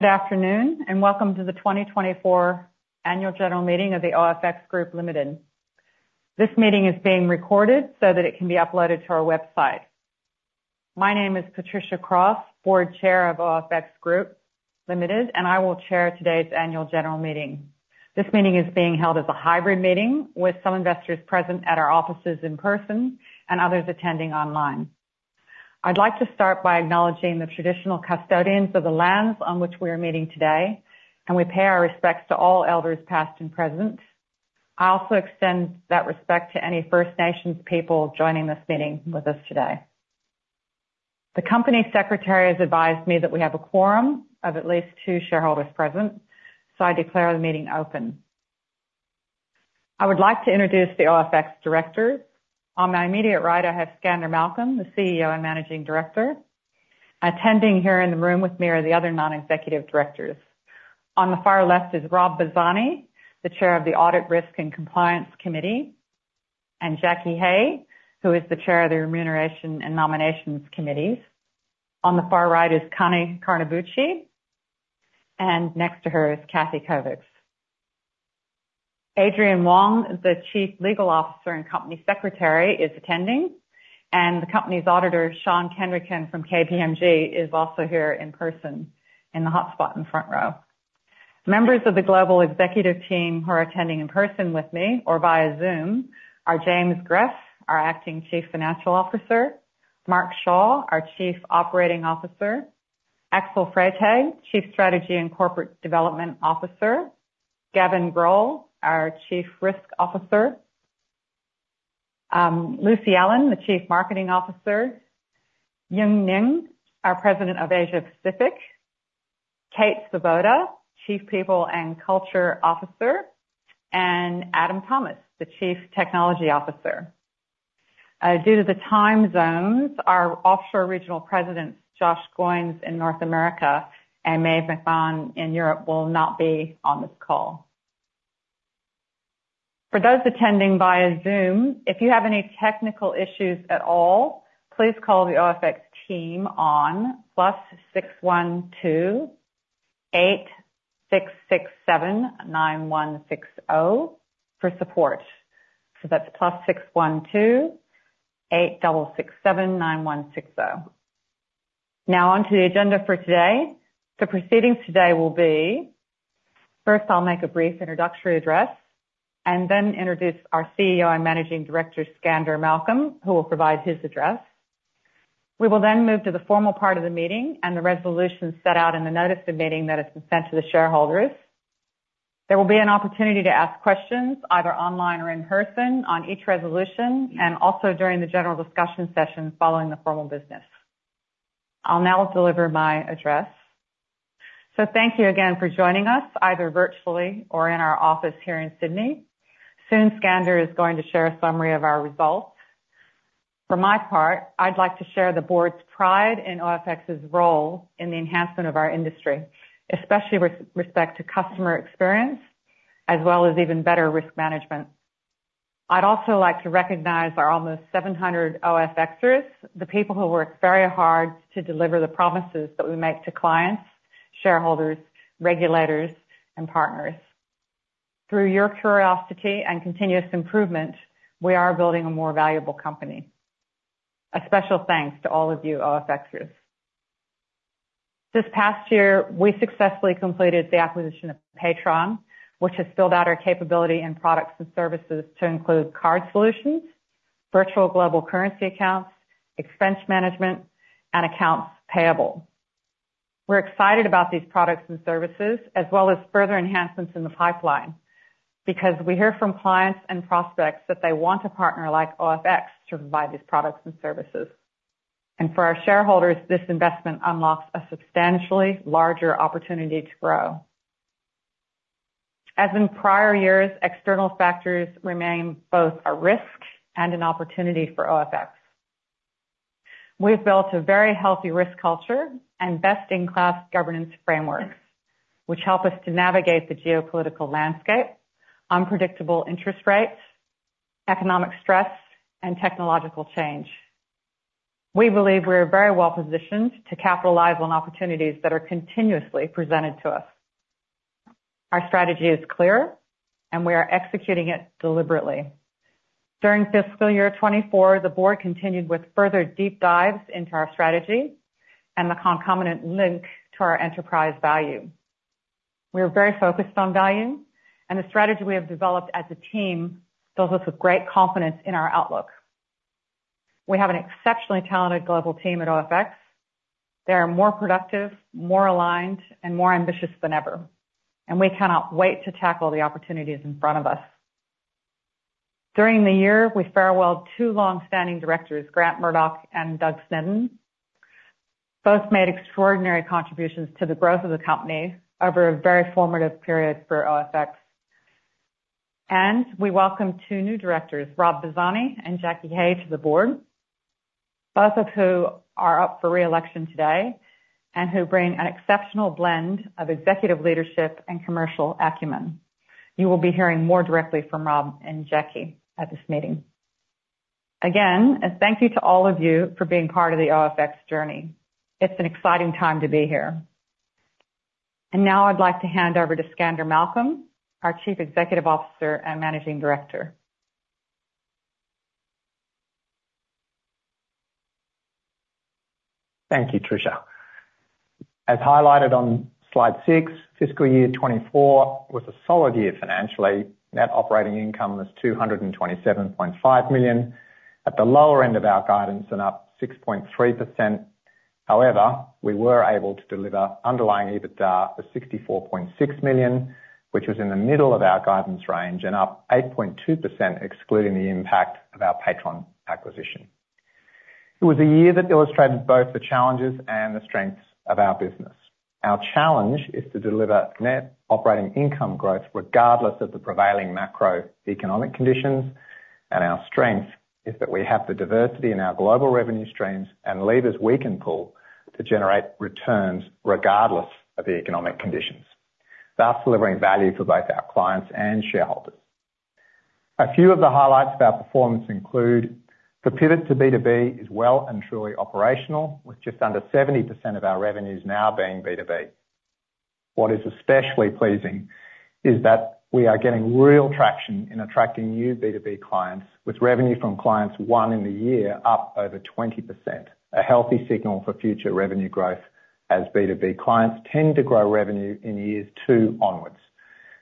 Good afternoon, and welcome to the 2024 Annual General Meeting of OFX Group Limited. This meeting is being recorded so that it can be uploaded to our website. My name is Patricia Cross, Board Chair of OFX Group Limited, and I will chair today's Annual General Meeting. This meeting is being held as a hybrid meeting with some investors present at our offices in person and others attending online. I'd like to start by acknowledging the traditional custodians of the lands on which we are meeting today, and we pay our respects to all elders past and present. I also extend that respect to any First Nations people joining this meeting with us today. The Company Secretary has advised me that we have a quorum of at least two shareholders present, so I declare the meeting open. I would like to introduce the OFX Directors. On my immediate right, I have Skander Malcolm, the CEO and Managing Director. Attending here in the room with me are the other non-executive directors. On the far left is Rob Bazzani, the Chair of the Audit, Risk and Compliance Committee, and Jackie Hey, who is the Chair of the Remuneration and Nominations Committees. On the far right is Connie Carnabuci, and next to her is Cathy Kovacs. Adrian Wong, the Chief Legal Officer and Company Secretary, is attending, and the Company's Auditor, Sean Kendrigan from KPMG, is also here in person in the hotspot in the front row. Members of the Global Executive Team who are attending in person with me or via Zoom are James Grigg, our Acting Chief Financial Officer, Mark Shaw, our Chief Operating Officer, Axel Freitag, Chief Strategy and Corporate Development Officer, Gavin O'Neill, our Chief Risk Officer, Lucy Allen, the Chief Marketing Officer, Yung Ngo, our President of Asia Pacific, Kate Svoboda, Chief People and Culture Officer, and Adam Thomas, the Chief Technology Officer. Due to the time zones, our offshore regional Presidents, Josh Goins in North America and Maeve McMahon in Europe, will not be on this call. For those attending via Zoom, if you have any technical issues at all, please call the OFX Team on +612 8667 9160 for support. So that's +612 8667 9160. Now on to the agenda for today. The proceedings today will be: first, I'll make a brief introductory address, and then introduce our CEO and Managing Director, Skander Malcolm, who will provide his address. We will then move to the formal part of the meeting and the resolutions set out in the Notice of Meeting that has been sent to the shareholders. There will be an opportunity to ask questions either online or in person on each resolution and also during the general discussion session following the formal business. I'll now deliver my address. Thank you again for joining us either virtually or in our office here in Sydney. Soon, Skander is going to share a summary of our results. For my part, I'd like to share the Board's pride in OFX's role in the enhancement of our industry, especially with respect to customer experience, as well as even better risk management. I'd also like to recognize our almost 700 OFXers, the people who work very hard to deliver the promises that we make to clients, shareholders, regulators, and partners. Through your curiosity and continuous improvement, we are building a more valuable company. A special thanks to all of you OFXers. This past year, we successfully completed the acquisition of Paytron, which has filled out our capability and products and services to include card solutions, virtual global currency accounts, expense management, and accounts payable. We're excited about these products and services, as well as further enhancements in the pipeline, because we hear from clients and prospects that they want a partner like OFX to provide these products and services. And for our shareholders, this investment unlocks a substantially larger opportunity to grow. As in prior years, external factors remain both a risk and an opportunity for OFX. We've built a very healthy risk culture and best-in-class governance frameworks, which help us to navigate the geopolitical landscape, unpredictable interest rates, economic stress, and technological change. We believe we are very well positioned to capitalize on opportunities that are continuously presented to us. Our strategy is clear, and we are executing it deliberately. During fiscal year 2024, the Board continued with further deep dives into our strategy and the concomitant link to our enterprise value. We are very focused on value, and the strategy we have developed as a team fills us with great confidence in our outlook. We have an exceptionally talented global team at OFX. They are more productive, more aligned, and more ambitious than ever, and we cannot wait to tackle the opportunities in front of us. During the year, we farewelled two longstanding directors, Grant Murdoch and Doug Snedden. Both made extraordinary contributions to the growth of the company over a very formative period for OFX. We welcome two new directors, Rob Bazzani and Jackie Hey, to the Board, both of whom are up for reelection today and who bring an exceptional blend of executive leadership and commercial acumen. You will be hearing more directly from Rob and Jackie at this meeting. Again, a thank you to all of you for being part of the OFX journey. It's an exciting time to be here. Now I'd like to hand over to Skander Malcolm, our Chief Executive Officer and Managing Director. Thank you, Trisha. As highlighted on slide six, fiscal year 2024 was a solid year financially. Net operating income was $227.5 million at the lower end of our guidance and up 6.3%. However, we were able to deliver underlying EBITDA of $64.6 million, which was in the middle of our guidance range and up 8.2%, excluding the impact of our Paytron acquisition. It was a year that illustrated both the challenges and the strengths of our business. Our challenge is to deliver net operating income growth regardless of the prevailing macroeconomic conditions, and our strength is that we have the diversity in our global revenue streams and levers we can pull to generate returns regardless of the economic conditions, thus delivering value for both our clients and shareholders. A few of the highlights of our performance include the pivot to B2B is well and truly operational, with just under 70% of our revenues now being B2B. What is especially pleasing is that we are getting real traction in attracting new B2B clients, with revenue from clients won in the year up over 20%, a healthy signal for future revenue growth, as B2B clients tend to grow revenue in years two onwards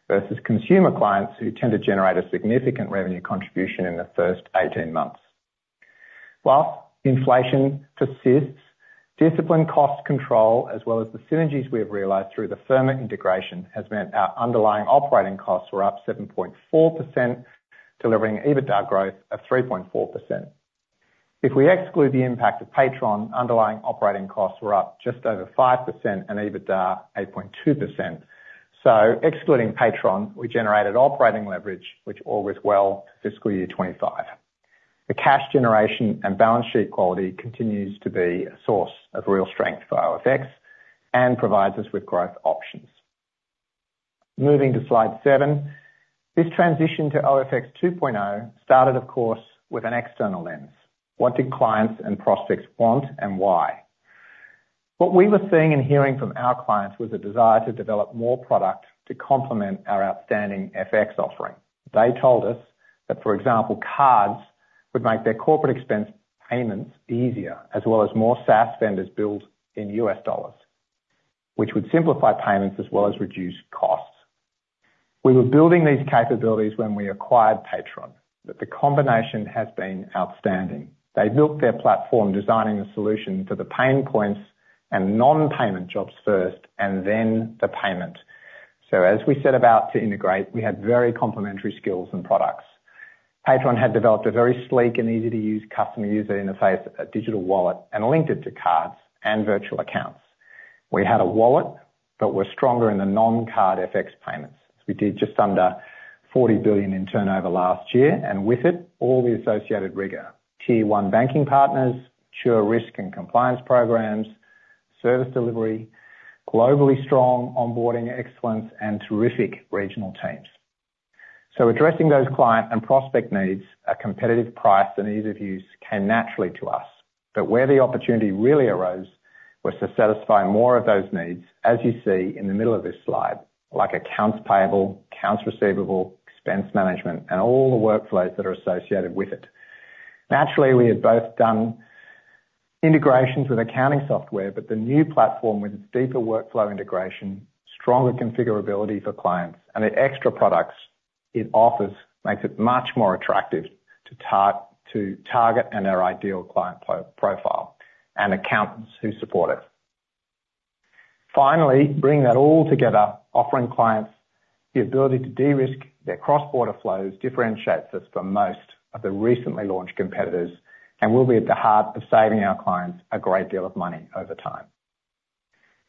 versus consumer clients who tend to generate a significant revenue contribution in the first 18 months. While inflation persists, disciplined cost control, as well as the synergies we have realized through the Firma integration, has meant our underlying operating costs were up 7.4%, delivering EBITDA growth of 3.4%. If we exclude the impact of Paytron, underlying operating costs were up just over 5% and EBITDA 8.2%. So excluding Paytron, we generated operating leverage, which all was well for fiscal year 2025. The cash generation and balance sheet quality continues to be a source of real strength for OFX and provides us with growth options. Moving to slide seven, this transition to OFX 2.0 started, of course, with an external lens. What did clients and prospects want and why? What we were seeing and hearing from our clients was a desire to develop more product to complement our outstanding FX offering. They told us that, for example, cards would make their corporate expense payments easier, as well as more SaaS vendors billed in US dollars, which would simplify payments as well as reduce costs. We were building these capabilities when we acquired Paytron, but the combination has been outstanding. They built their platform, designing the solution for the pain points and non-payment jobs first and then the payment. So as we set about to integrate, we had very complementary skills and products. Paytron had developed a very sleek and easy-to-use customer user interface, a digital wallet, and linked it to cards and virtual accounts. We had a wallet but were stronger in the non-card FX payments. We did just under $40 billion in turnover last year, and with it, all the associated rigor: tier one banking partners, mature risk and compliance programs, service delivery, globally strong onboarding excellence, and terrific regional teams. So addressing those client and prospect needs, a competitive price and ease of use came naturally to us. But where the opportunity really arose was to satisfy more of those needs, as you see in the middle of this slide, like accounts payable, accounts receivable, expense management, and all the workflows that are associated with it. Naturally, we had both done integrations with accounting software, but the new platform, with its deeper workflow integration, stronger configurability for clients, and the extra products it offers makes it much more attractive to target our ideal client profile and accountants who support it. Finally, bringing that all together, offering clients the ability to de-risk their cross-border flows differentiates us from most of the recently launched competitors and will be at the heart of saving our clients a great deal of money over time.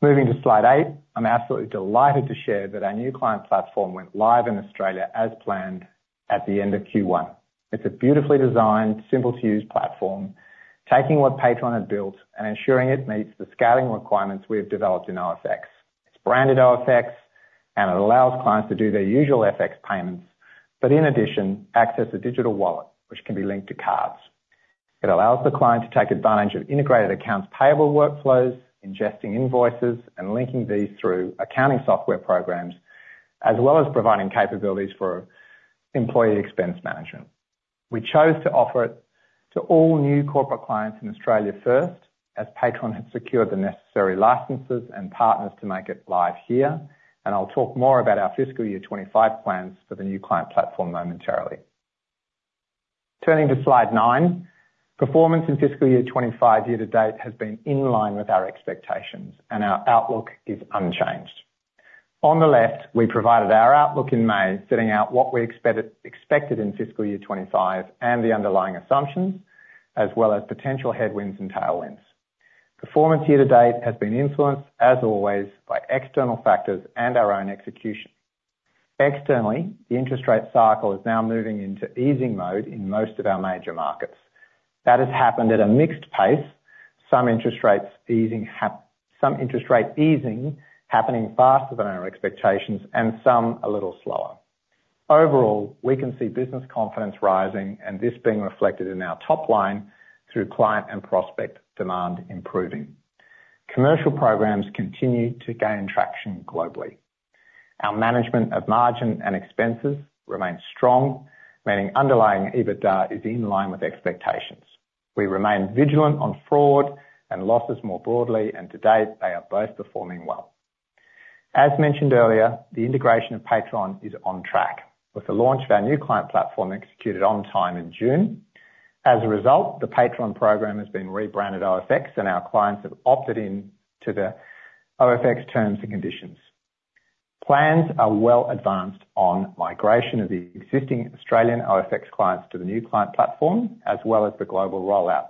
Moving to slide eight, I'm absolutely delighted to share that our new client platform went live in Australia as planned at the end of Q1. It's a beautifully designed, simple-to-use platform, taking what Paytron had built and ensuring it meets the scaling requirements we have developed in OFX. It's branded OFX, and it allows clients to do their usual FX payments, but in addition, access a digital wallet, which can be linked to cards. It allows the client to take advantage of integrated accounts payable workflows, ingesting invoices and linking these through accounting software programs, as well as providing capabilities for employee expense management. We chose to offer it to all new corporate clients in Australia first, as Paytron had secured the necessary licenses and partners to make it live here, and I'll talk more about our fiscal year 2025 plans for the new client platform momentarily. Turning to slide nine, performance in fiscal year 2025 year to date has been in line with our expectations, and our outlook is unchanged. On the left, we provided our outlook in May, setting out what we expected in fiscal year 2025 and the underlying assumptions, as well as potential headwinds and tailwinds. Performance year to date has been influenced, as always, by external factors and our own execution. Externally, the interest rate cycle is now moving into easing mode in most of our major markets. That has happened at a mixed pace, some interest rate easing happening faster than our expectations and some a little slower. Overall, we can see business confidence rising and this being reflected in our top line through client and prospect demand improving. Commercial programs continue to gain traction globally. Our management of margin and expenses remains strong, meaning underlying EBITDA is in line with expectations. We remain vigilant on fraud and losses more broadly, and to date, they are both performing well. As mentioned earlier, the integration of Paytron is on track, with the launch of our new client platform executed on time in June. As a result, the Paytron program has been rebranded OFX, and our clients have opted in to the OFX terms and conditions. Plans are well advanced on migration of the existing Australian OFX clients to the new client platform, as well as the global rollout.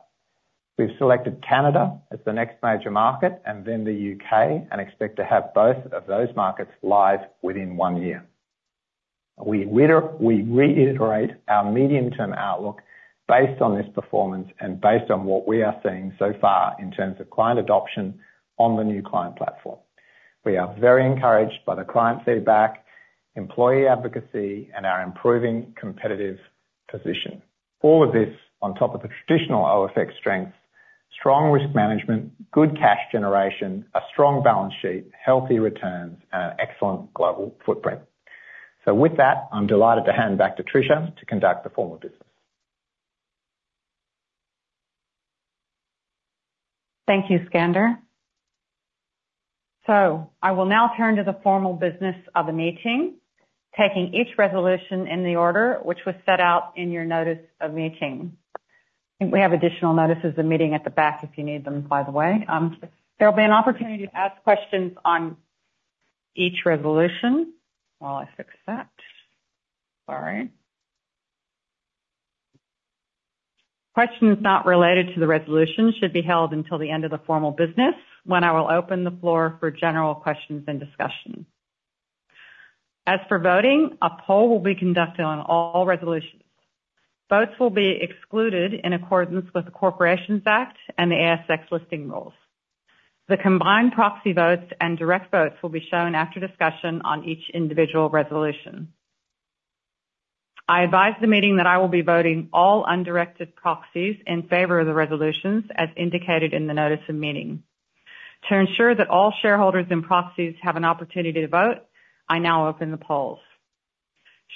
We've selected Canada as the next major market and then the UK and expect to have both of those markets live within one year. We reiterate our medium-term outlook based on this performance and based on what we are seeing so far in terms of client adoption on the new client platform. We are very encouraged by the client feedback, employee advocacy, and our improving competitive position. All of this on top of the traditional OFX strengths: strong risk management, good cash generation, a strong balance sheet, healthy returns, and an excellent global footprint. So with that, I'm delighted to hand back to Patricia to conduct the formal business. Thank you, Skander. So I will now turn to the formal business of the meeting, taking each resolution in the order which was set out in your Notice of Meeting. I think we have additional notices of meeting at the back if you need them, by the way. There'll be an opportunity to ask questions on each resolution. While I fix that. Sorry. Questions not related to the resolution should be held until the end of the formal business, when I will open the floor for general questions and discussion. As for voting, a poll will be conducted on all resolutions. Votes will be excluded in accordance with the Corporations Act and the ASX Listing Rules. The combined proxy votes and direct votes will be shown after discussion on each individual resolution. I advise the meeting that I will be voting all undirected proxies in favor of the resolutions as indicated in the Notice of Meeting. To ensure that all shareholders and proxies have an opportunity to vote, I now open the polls.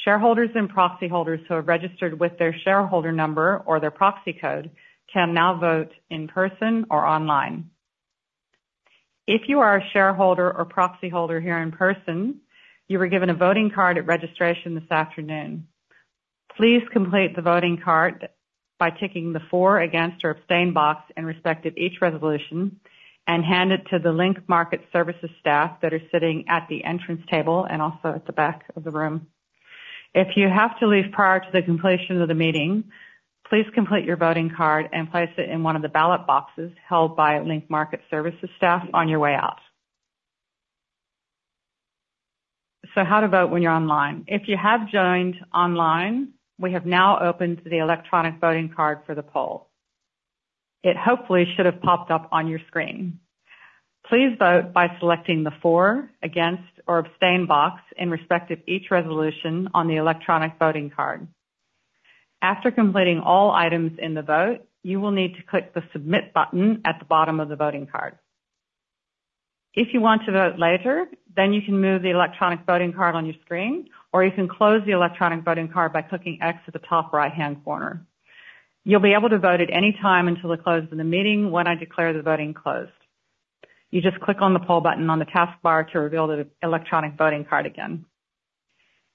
Shareholders and proxy holders who have registered with their shareholder number or their proxy code can now vote in person or online. If you are a shareholder or proxy holder here in person, you were given a voting card at registration this afternoon. Please complete the voting card by ticking the for, against, or abstain box in respect of each resolution and hand it to the Link Market Services staff that are sitting at the entrance table and also at the back of the room. If you have to leave prior to the completion of the meeting, please complete your voting card and place it in one of the ballot boxes held by Link Market Services staff on your way out. So, how to vote when you're online. If you have joined online, we have now opened the electronic voting card for the poll. It hopefully should have popped up on your screen. Please vote by selecting the for, against, or abstain box in respect of each resolution on the electronic voting card. After completing all items in the vote, you will need to click the submit button at the bottom of the voting card. If you want to vote later, then you can move the electronic voting card on your screen, or you can close the electronic voting card by clicking X at the top right-hand corner. You'll be able to vote at any time until the close of the meeting when I declare the voting closed. You just click on the poll button on the taskbar to reveal the electronic voting card again.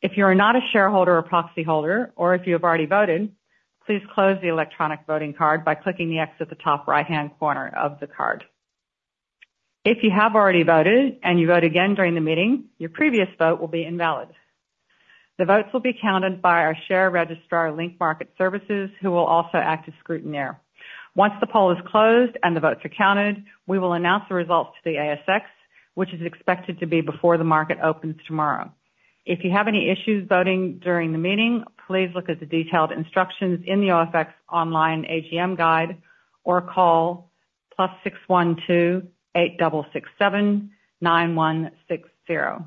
If you are not a shareholder or proxy holder, or if you have already voted, please close the electronic voting card by clicking the X at the top right-hand corner of the card. If you have already voted and you vote again during the meeting, your previous vote will be invalid. The votes will be counted by our share registrar, Link Market Services, who will also act as scrutineer. Once the poll is closed and the votes are counted, we will announce the results to the ASX, which is expected to be before the market opens tomorrow. If you have any issues voting during the meeting, please look at the detailed instructions in the OFX Online AGM Guide or call +612 8667 9160.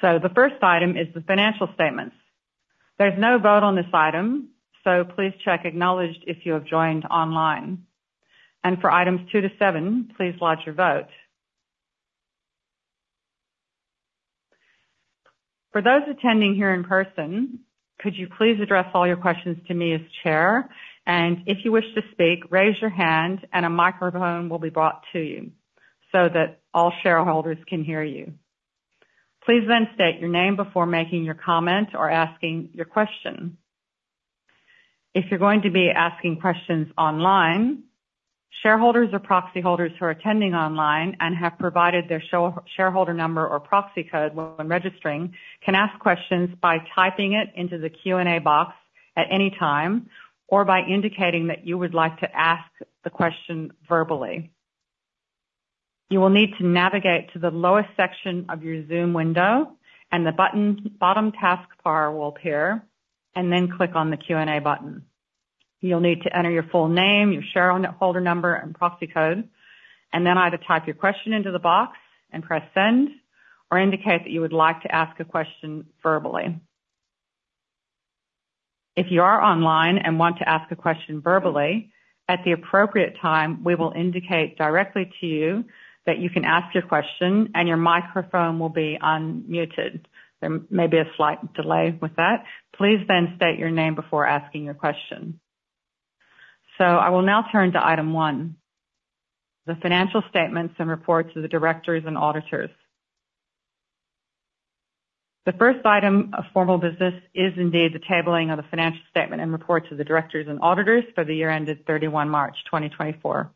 So the first item is the financial statements. There's no vote on this item, so please check acknowledged if you have joined online. And for items two to seven, please lodge your vote. For those attending here in person, could you please address all your questions to me as Chair? And if you wish to speak, raise your hand and a microphone will be brought to you so that all shareholders can hear you. Please then state your name before making your comment or asking your question. If you're going to be asking questions online, shareholders or proxy holders who are attending online and have provided their shareholder number or proxy code when registering can ask questions by typing it into the Q&A box at any time or by indicating that you would like to ask the question verbally. You will need to navigate to the lowest section of your Zoom window and the button bottom taskbar will appear, and then click on the Q&A button. You'll need to enter your full name, your shareholder number, and proxy code, and then either type your question into the box and press send or indicate that you would like to ask a question verbally. If you are online and want to ask a question verbally, at the appropriate time, we will indicate directly to you that you can ask your question and your microphone will be unmuted. There may be a slight delay with that. Please then state your name before asking your question. I will now turn to item one, the financial statements and reports to the directors and auditors. The first item of formal business is indeed the tabling of the financial statement and reports to the directors and auditors for the year ended 31 March 2024.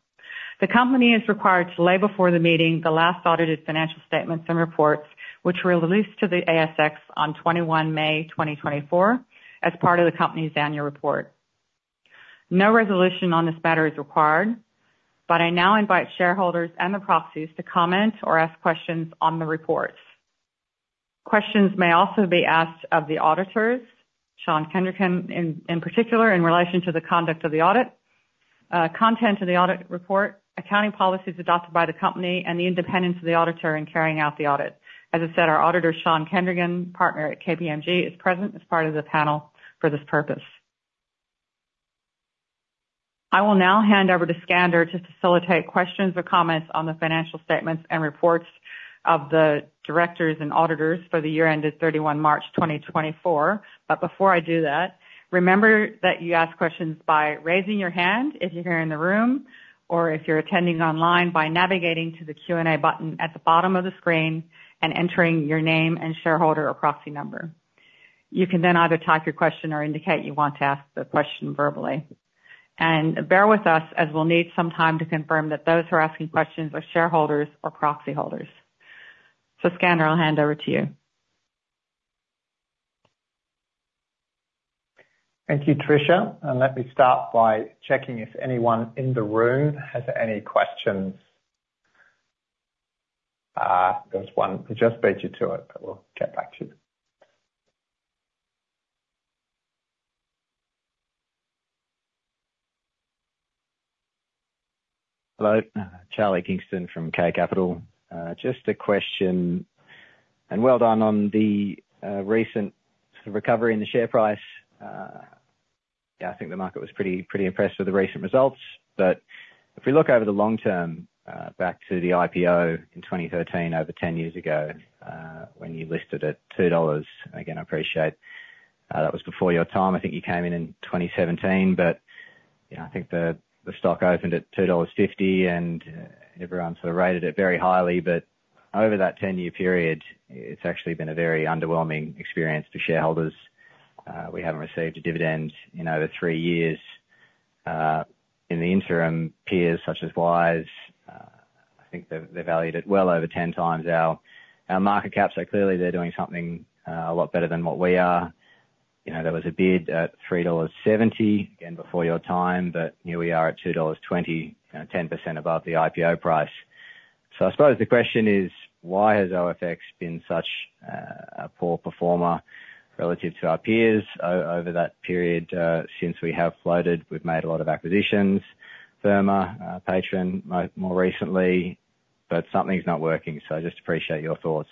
The company is required to lay before the meeting the latest audited financial statements and reports, which were released to the ASX on 21 May 2024 as part of the company's annual report. No resolution on this matter is required, but I now invite shareholders and the proxies to comment or ask questions on the reports. Questions may also be asked of the auditors, Sean Kendrigan in particular, in relation to the conduct of the audit, content of the audit report, accounting policies adopted by the company, and the independence of the auditor in carrying out the audit. As I said, our auditor, Sean Kendrigan, partner at KPMG, is present as part of the panel for this purpose. I will now hand over to Skander to facilitate questions or comments on the financial statements and reports of the directors and auditors for the year ended 31 March 2024. But before I do that, remember that you ask questions by raising your hand if you're here in the room or if you're attending online by navigating to the Q&A button at the bottom of the screen and entering your name and shareholder or proxy number. You can then either type your question or indicate you want to ask the question verbally. Bear with us as we'll need some time to confirm that those who are asking questions are shareholders or proxy holders. Skander, I'll hand over to you. Thank you, Trisha. Let me start by checking if anyone in the room has any questions. There was one who just beat you to it, but we'll get back to you. Hello, Charlie Kingston from K Capital. Just a question. And well done on the recent recovery in the share price. Yeah, I think the market was pretty impressed with the recent results. But if we look over the long term, back to the IPO in 2013, over 10 years ago, when you listed at $2, again, I appreciate that was before your time. I think you came in in 2017, but I think the stock opened at $2.50 and everyone sort of rated it very highly. But over that 10-year period, it's actually been a very underwhelming experience for shareholders. We haven't received a dividend in over three years. In the interim, peers such as Wise, I think they've valued it well over 10 times our market cap, so clearly they're doing something a lot better than what we are. There was a bid at $3.70, again, before your time, but here we are at $2.20, 10% above the IPO price. So I suppose the question is, why has OFX been such a poor performer relative to our peers over that period? Since we have floated, we've made a lot of acquisitions, Firma, Paytron more recently, but something's not working. So I just appreciate your thoughts.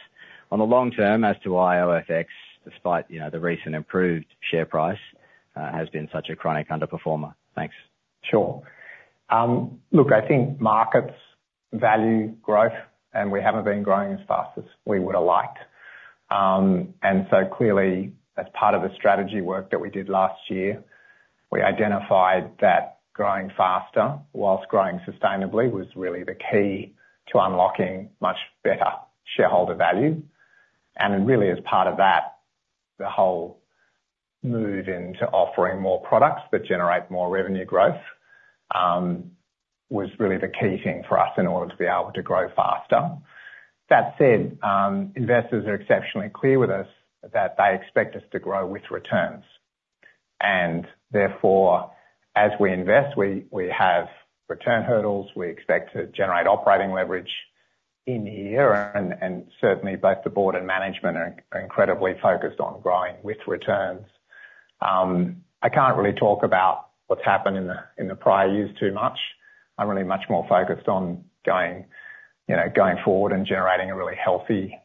On the long term as to why OFX, despite the recent improved share price, has been such a chronic underperformer. Thanks. Sure. Look, I think markets value growth, and we haven't been growing as fast as we would have liked. And so clearly, as part of the strategy work that we did last year, we identified that growing faster while growing sustainably was really the key to unlocking much better shareholder value. And really, as part of that, the whole move into offering more products that generate more revenue growth was really the key thing for us in order to be able to grow faster. That said, investors are exceptionally clear with us that they expect us to grow with returns. And therefore, as we invest, we have return hurdles. We expect to generate operating leverage in the year, and certainly both the Board and management are incredibly focused on growing with returns. I can't really talk about what's happened in the prior years too much. I'm really much more focused on going forward and generating a really healthy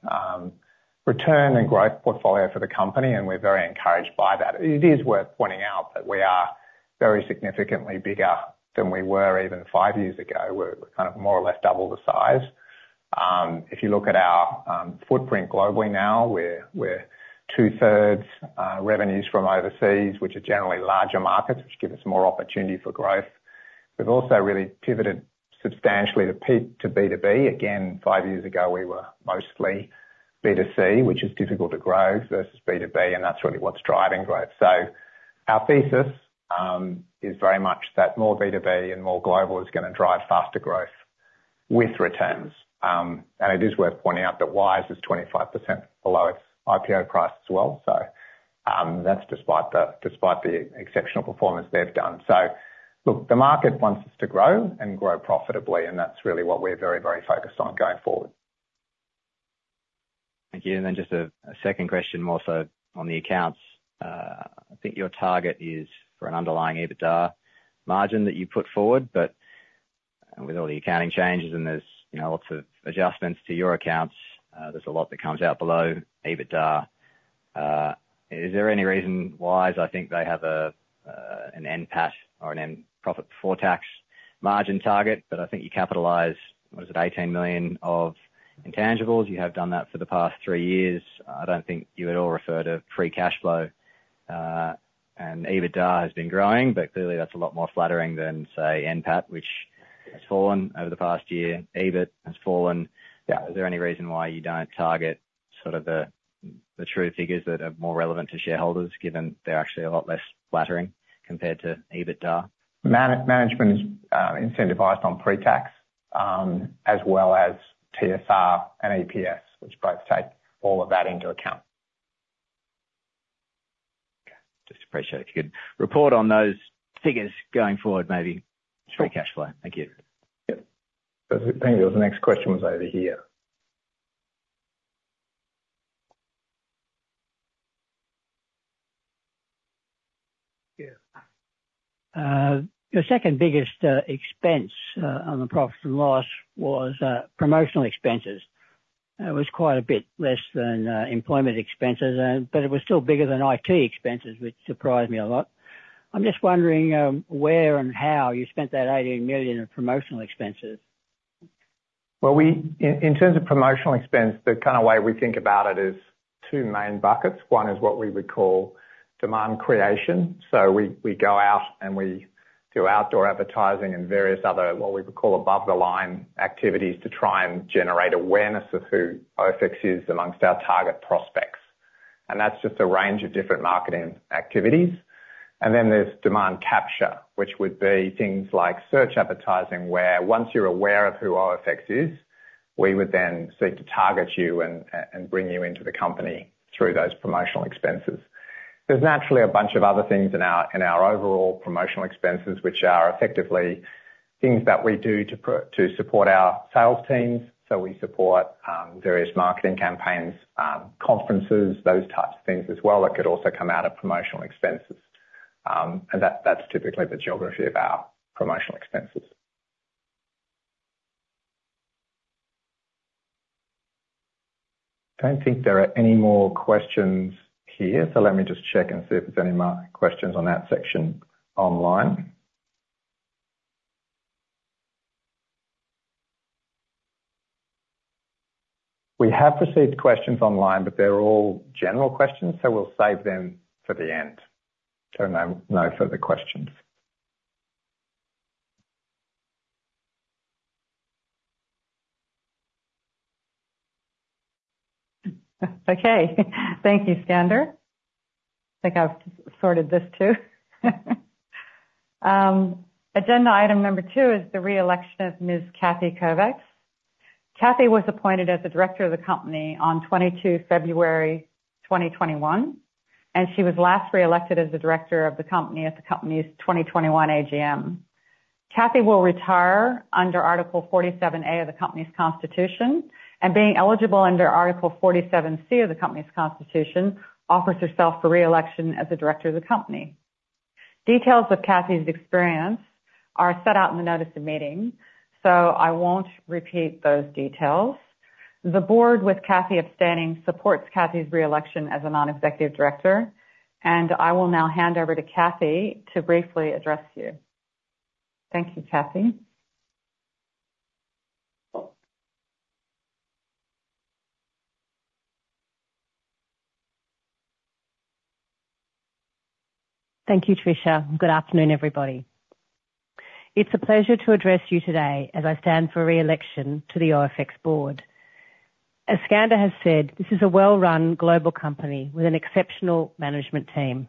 return and growth portfolio for the company, and we're very encouraged by that. It is worth pointing out that we are very significantly bigger than we were even five years ago. We're kind of more or less double the size. If you look at our footprint globally now, we're 2/3 revenues from overseas, which are generally larger markets, which give us more opportunity for growth. We've also really pivoted substantially to B2B. Again, five years ago, we were mostly B2C, which is difficult to grow versus B2B, and that's really what's driving growth. So our thesis is very much that more B2B and more global is going to drive faster growth with returns. And it is worth pointing out that Wise is 25% below its IPO price as well. So that's despite the exceptional performance they've done. So look, the market wants us to grow and grow profitably, and that's really what we're very, very focused on going forward. Thank you. Then just a second question more so on the accounts. I think your target is for an underlying EBITDA margin that you put forward, but with all the accounting changes and there's lots of adjustments to your accounts, there's a lot that comes out below EBITDA. Is there any reason? Wise, I think they have an NPAT or a net profit before tax margin target, but I think you capitalize, what is it, 18 million of intangibles. You have done that for the past three years. I don't think you at all refer to free cash flow. And EBITDA has been growing, but clearly that's a lot more flattering than, say, NPAT, which has fallen over the past year. EBIT has fallen. Is there any reason why you don't target sort of the true figures that are more relevant to shareholders, given they're actually a lot less flattering compared to EBITDA? Management is incentivized on pre-tax as well as TSR and EPS, which both take all of that into account. Just appreciate if you could report on those figures going forward, maybe free cash flow. Thank you. Perfect. Thank you. The next question was over here. Yeah. The second biggest expense on the profit and loss was promotional expenses. It was quite a bit less than employment expenses, but it was still bigger than IT expenses, which surprised me a lot. I'm just wondering where and how you spent that 18 million in promotional expenses. Well, in terms of promotional expense, the kind of way we think about it is two main buckets. One is what we would call demand creation. So we go out and we do outdoor advertising and various other what we would call above-the-line activities to try and generate awareness of who OFX is amongst our target prospects. And that's just a range of different marketing activities. And then there's demand capture, which would be things like search advertising, where once you're aware of who OFX is, we would then seek to target you and bring you into the company through those promotional expenses. There's naturally a bunch of other things in our overall promotional expenses, which are effectively things that we do to support our sales teams. So we support various marketing campaigns, conferences, those types of things as well that could also come out of promotional expenses. That's typically the geography of our promotional expenses. I don't think there are any more questions here, so let me just check and see if there's any questions on that section online. We have received questions online, but they're all general questions, so we'll save them for the end. Don't know no further questions. Okay. Thank you, Skander. I think I've sorted this too. Agenda item number two is the re-election of Ms. Cathy Kovacs. Cathy was appointed as the director of the company on 22 February 2021, and she was last re-elected as the director of the company at the company's 2021 AGM. Cathy will retire under Article 47A of the company's constitution, and being eligible under Article 47C of the company's constitution offers herself for re-election as the director of the company. Details of Cathy's experience are set out in the Notice of Meeting, so I won't repeat those details. The Board with Cathy abstaining supports Cathy's re-election as a non-executive director, and I will now hand over to Cathy to briefly address you. Thank you, Cathy. Thank you, Patricia. Good afternoon, everybody. It's a pleasure to address you today as I stand for re-election to the OFX Board. As Skander has said, this is a well-run global company with an exceptional management team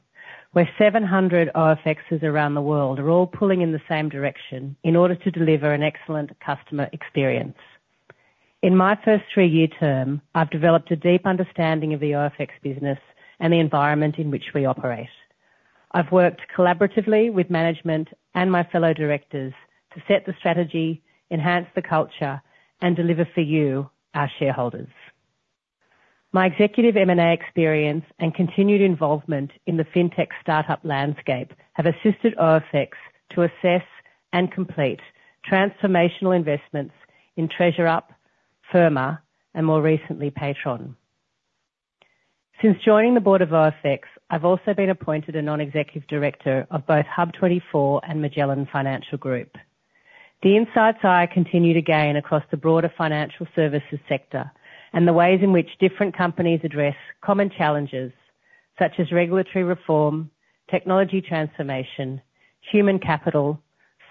where 700 OFXs around the world are all pulling in the same direction in order to deliver an excellent customer experience. In my first three-year term, I've developed a deep understanding of the OFX business and the environment in which we operate. I've worked collaboratively with management and my fellow directors to set the strategy, enhance the culture, and deliver for you, our shareholders. My executive M&A experience and continued involvement in the fintech startup landscape have assisted OFX to assess and complete transformational investments in TreasurUp, Firma, and more recently, Paytron. Since joining the Board of OFX, I've also been appointed a non-executive director of both HUB24 and Magellan Financial Group. The insights I continue to gain across the broader financial services sector and the ways in which different companies address common challenges such as regulatory reform, technology transformation, human capital,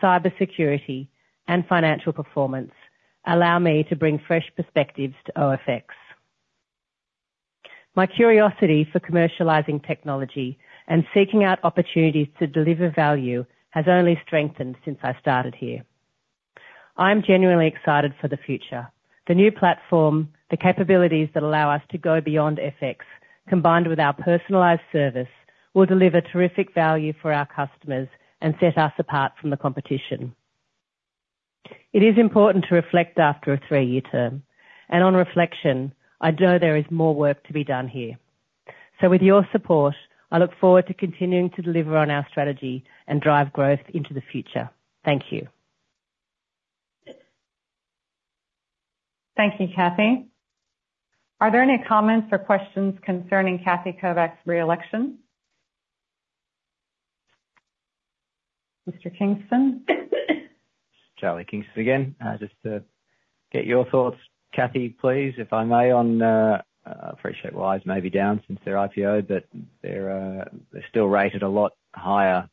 cybersecurity, and financial performance allow me to bring fresh perspectives to OFX. My curiosity for commercializing technology and seeking out opportunities to deliver value has only strengthened since I started here. I'm genuinely excited for the future. The new platform, the capabilities that allow us to go beyond FX, combined with our personalized service, will deliver terrific value for our customers and set us apart from the competition. It is important to reflect after a three-year term, and on reflection, I know there is more work to be done here. So with your support, I look forward to continuing to deliver on our strategy and drive growth into the future. Thank you. Thank you, Cathy. Are there any comments or questions concerning Cathy Kovacs's re-election? Mr. Kingston? Charlie Kingston again. Just to get your thoughts. Cathy, please, if I may, on. I appreciate Wise may be down since their IPO, but they're still rated a lot higher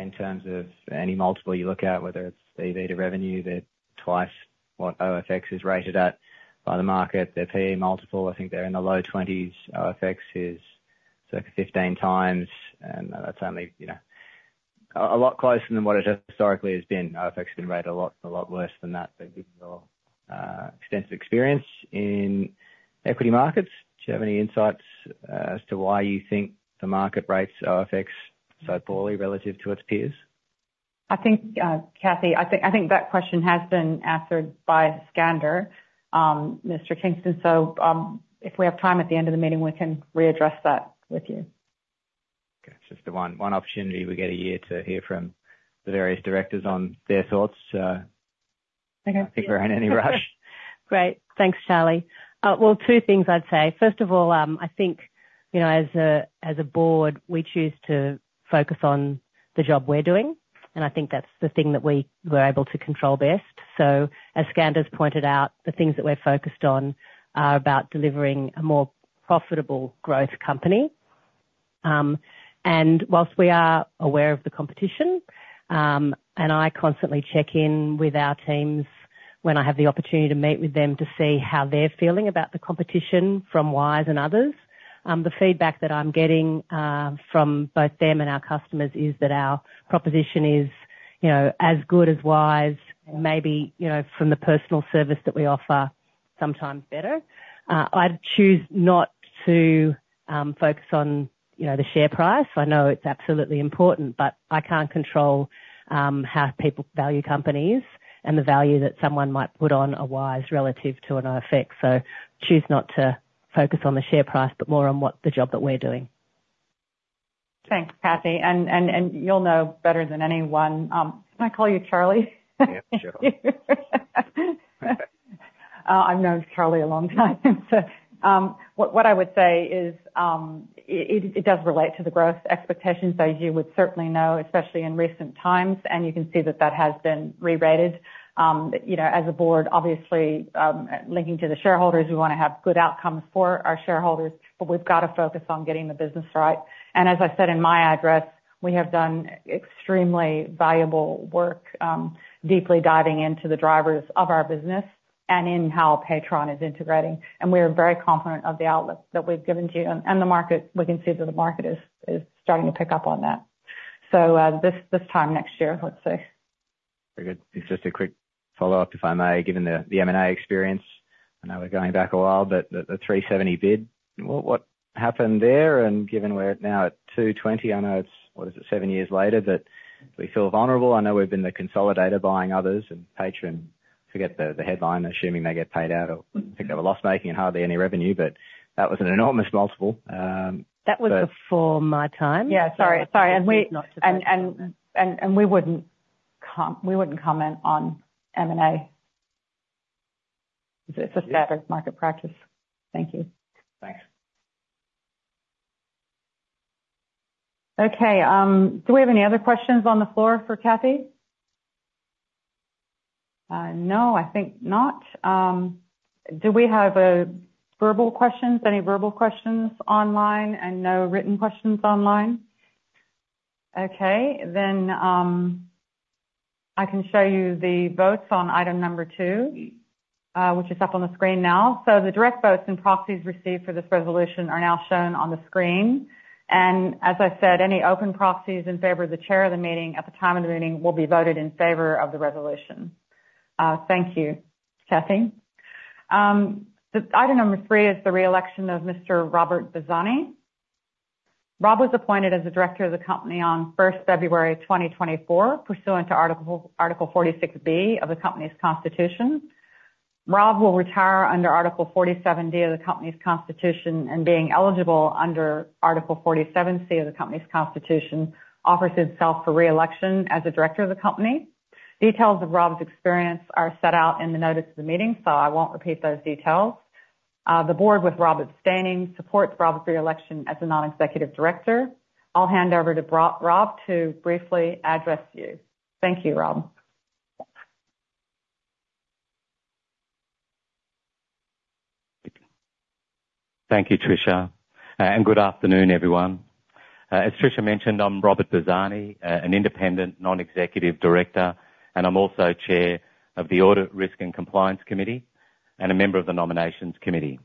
in terms of any multiple you look at, whether it's EBITDA, revenue, they're twice what OFX is rated at by the market. Their PE multiple, I think they're in the low 20s. OFX is circa 15x, and that's only a lot closer than what it historically has been. OFX has been rated a lot worse than that. They've got extensive experience in equity markets. Do you have any insights as to why you think the market rates OFX so poorly relative to its peers? I think, Cathy, I think that question has been answered by Skander, Mr. Kingston. So if we have time at the end of the meeting, we can readdress that with you. Okay. It's just one opportunity we get a year to hear from the various directors on their thoughts. I think we're in any rush. Great. Thanks, Charlie. Well, two things I'd say. First of all, I think as a Board, we choose to focus on the job we're doing, and I think that's the thing that we were able to control best. So as Skander's pointed out, the things that we're focused on are about delivering a more profitable growth company. And while we are aware of the competition, and I constantly check in with our teams when I have the opportunity to meet with them to see how they're feeling about the competition from Wise and others, the feedback that I'm getting from both them and our customers is that our proposition is as good as Wise, maybe from the personal service that we offer, sometimes better. I'd choose not to focus on the share price. I know it's absolutely important, but I can't control how people value companies and the value that someone might put on a Wise relative to an OFX. So choose not to focus on the share price, but more on the job that we're doing. Thanks, Cathy. You'll know better than anyone. Can I call you Charlie? Yeah, sure. I've known Charlie a long time. So what I would say is it does relate to the growth expectations, as you would certainly know, especially in recent times, and you can see that that has been re-rated. As a Board, obviously, linking to the shareholders, we want to have good outcomes for our shareholders, but we've got to focus on getting the business right. And as I said in my address, we have done extremely valuable work, deeply diving into the drivers of our business and in how Paytron is integrating. And we are very confident of the outlook that we've given to you and the market. We can see that the market is starting to pick up on that. So this time next year, let's say. Very good. Just a quick follow-up, if I may, given the M&A experience. I know we're going back a while, but the 370 bid, what happened there? And given we're now at 220, I know it's, what is it, seven years later that we feel vulnerable. I know we've been the consolidator buying others and Paytron, forget the headline, assuming they get paid out or pick up a loss-making and hardly any revenue, but that was an enormous multiple. That was before my time. Yeah, sorry. Sorry. And we wouldn't comment on M&A. It's a standard market practice. Thank you. Thanks. Okay. Do we have any other questions on the floor for Cathy? No, I think not. Do we have verbal questions? Any verbal questions online and no written questions online? Okay. Then I can show you the votes on item number two, which is up on the screen now. So the direct votes and proxies received for this resolution are now shown on the screen. And as I said, any open proxies in favor of the chair of the meeting at the time of the meeting will be voted in favor of the resolution. Thank you, Cathy. Item number three is the re-election of Mr. Rob Bazzani. Rob was appointed as the director of the company on 1st February 2024, pursuant to Article 46B of the company's constitution. Rob will retire under Article 47D of the company's constitution, and being eligible under Article 47C of the company's constitution offers himself for re-election as the director of the company. Details of Rob's experience are set out in the notice of the meeting, so I won't repeat those details. The Board with Rob abstaining supports Rob's re-election as a non-executive director. I'll hand over to Rob to briefly address you. Thank you, Rob. Thank you, Patricia. Good afternoon, everyone. As Patricia mentioned, I'm Rob Bazzani, an independent non-executive director, and I'm also Chair of the Audit, Risk and Compliance Committee and a member of the Nominations Committee.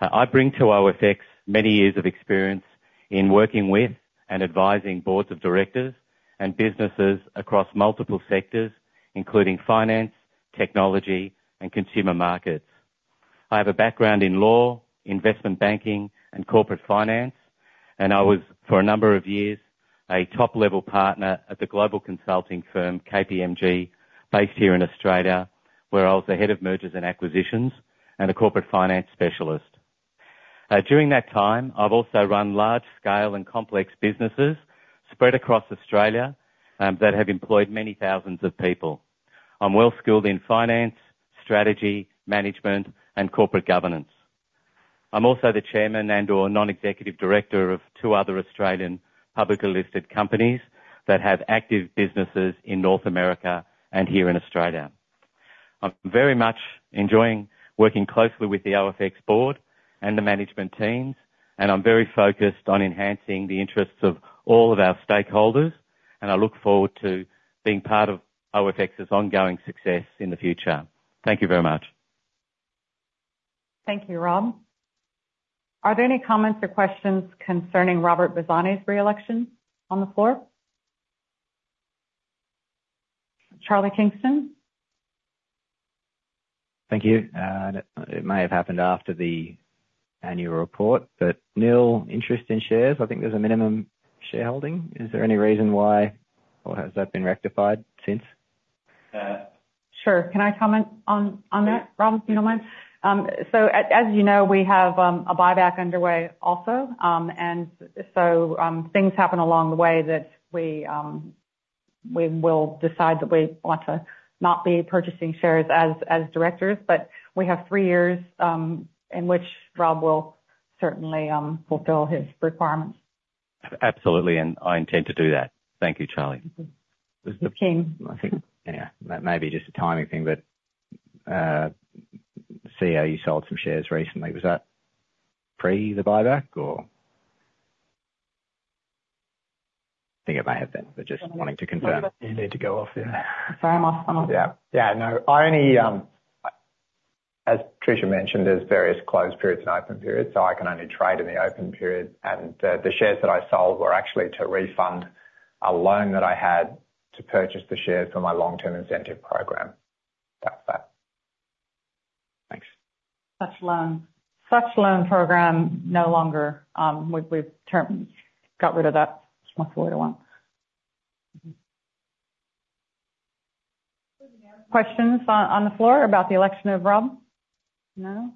I bring to OFX many years of experience in working with and advising Boards of directors and businesses across multiple sectors, including finance, technology, and consumer markets. I have a background in law, investment banking, and corporate finance, and I was, for a number of years, a top-level partner at the global consulting firm KPMG based here in Australia, where I was the head of mergers and acquisitions and a corporate finance specialist. During that time, I've also run large-scale and complex businesses spread across Australia that have employed many thousands of people. I'm well-skilled in finance, strategy, management, and corporate governance. I'm also the Chairman and/or Non-Executive Director of two other Australian publicly listed companies that have active businesses in North America and here in Australia. I'm very much enjoying working closely with the OFX Board and the management teams, and I'm very focused on enhancing the interests of all of our stakeholders, and I look forward to being part of OFX's ongoing success in the future. Thank you very much. Thank you, Rob. Are there any comments or questions concerning Rob Bazzani's re-election the floor? Charlie Kingston? Thank you. It may have happened after the annual report, but nil interest in shares. I think there's a minimum shareholding. Is there any reason why, or has that been rectified since? Sure. Can I comment on that, Rob, if you don't mind? So as you know, we have a buyback underway also, and so things happen along the way that we will decide that we want to not be purchasing shares as directors, but we have three years in which Rob will certainly fulfill his requirements. Absolutely, and I intend to do that. Thank you, Charlie. King. Yeah. Maybe just a timing thing, but CEO, you sold some shares recently. Was that pre the buyback, or? I think it may have been, but just wanting to confirm. You need to go off there. Sorry, I'm off. I'm off. Yeah. Yeah. No, I only, as Patricia mentioned, there's various closed periods and open periods, so I can only trade in the open period, and the shares that I sold were actually to refund a loan that I had to purchase the shares for my long-term incentive program. That's that. Thanks. Such loan program, no longer. We've got rid of that. It's much more to one. Questions on the floor about the election of Rob? No?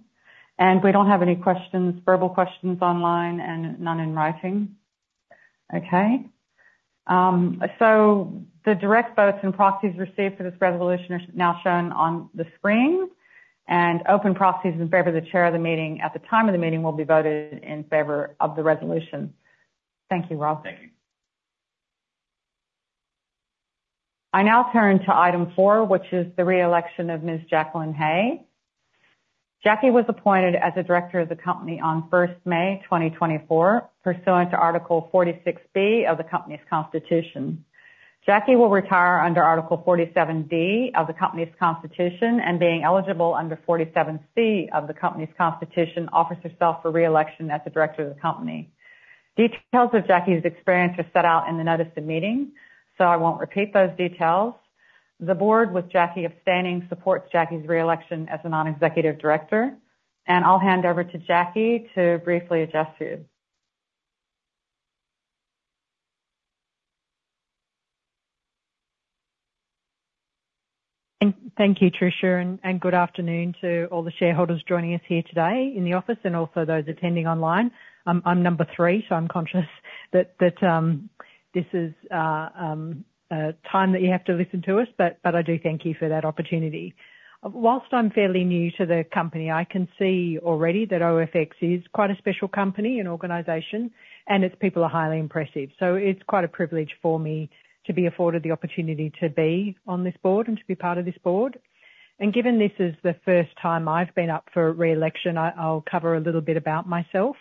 And we don't have any questions, verbal questions online, and none in writing. Okay. So the direct votes and proxies received for this resolution are now shown on the screen, and open proxies in favor of the chair of the meeting at the time of the meeting will be voted in favor of the resolution. Thank you, Rob. Thank you. I now turn to item four, which is the re-election of Ms. Jacqueline Hey. Jackie was appointed as the director of the company on 1st May 2024, pursuant to Article 46B of the company's constitution. Jackie will retire under Article 47D of the company's constitution, and being eligible under 47C of the company's constitution offers herself for re-election as the director of the company. Details of Jackie's experience are set out in the Notice of Meeting, so I won't repeat those details. The Board, with Jackie abstaining, supports Jackie's re-election as a non-executive director, and I'll hand over to Jackie to briefly address you. Thank you, Trisha, and good afternoon to all the shareholders joining us here today in the office and also those attending online. I'm number three, so I'm conscious that this is a time that you have to listen to us, but I do thank you for that opportunity. Whilst I'm fairly new to the company, I can see already that OFX is quite a special company and organization, and its people are highly impressive. So it's quite a privilege for me to be afforded the opportunity to be on this Board and to be part of this Board. Given this is the first time I've been up for re-election, I'll cover a little bit about myself.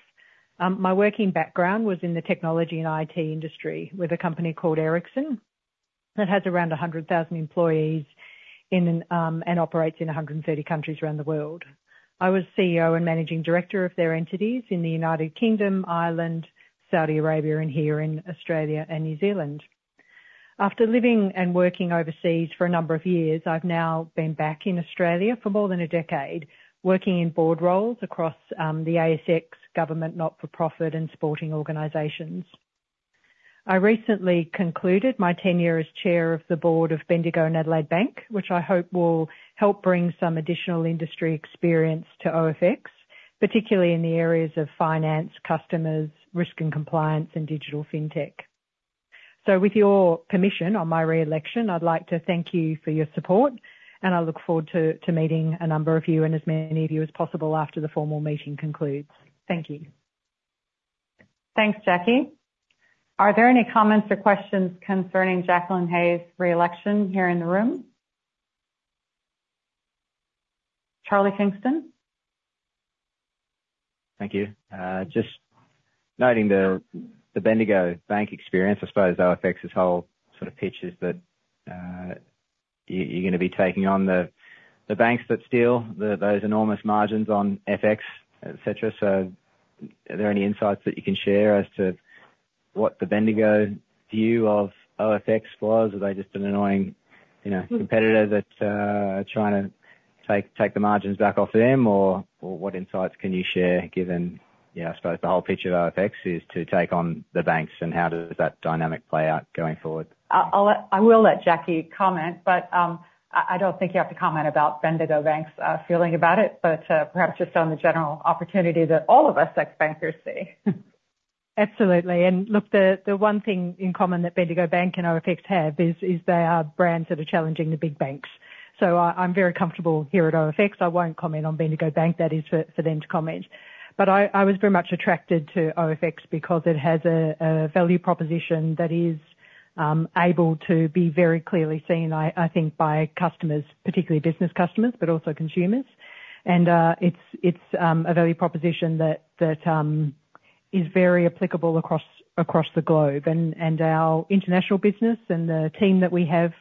My working background was in the technology and IT industry with a company called Ericsson that has around 100,000 employees and operates in 130 countries around the world. I was CEO and managing director of their entities in the United Kingdom, Ireland, Saudi Arabia, and here in Australia and New Zealand. After living and working overseas for a number of years, I've now been back in Australia for more than a decade, working in Board roles across the ASX, government not-for-profit, and sporting organizations. I recently concluded my tenure as chair of the Board of Bendigo and Adelaide Bank, which I hope will help bring some additional industry experience to OFX, particularly in the areas of finance, customers, risk and compliance, and digital fintech. So with your permission on my re-election, I'd like to thank you for your support, and I look forward to meeting a number of you and as many of you as possible after the formal meeting concludes. Thank you. Thanks, Jackie. Are there any comments or questions concerning Jacqueline Hey's re-election here in the room? Charlie Kingston? Thank you. Just noting the Bendigo Bank experience, I suppose OFX's whole sort of pitch is that you're going to be taking on the banks that steal those enormous margins on FX, etc. So are there any insights that you can share as to what the Bendigo view of OFX was? Are they just an annoying competitor that's trying to take the margins back off them? Or what insights can you share given, I suppose, the whole pitch of OFX is to take on the banks and how does that dynamic play out going forward? I will let Jackie comment, but I don't think you have to comment about Bendigo Bank's feeling about it, but perhaps just on the general opportunity that all of us ex-bankers see. Absolutely. And look, the one thing in common that Bendigo Bank and OFX have is they are brands that are challenging the big banks. So I'm very comfortable here at OFX. I won't comment on Bendigo Bank. That is for them to comment. But I was very much attracted to OFX because it has a value proposition that is able to be very clearly seen, I think, by customers, particularly business customers, but also consumers. And it's a value proposition that is very applicable across the globe. And our international business and the team that we have,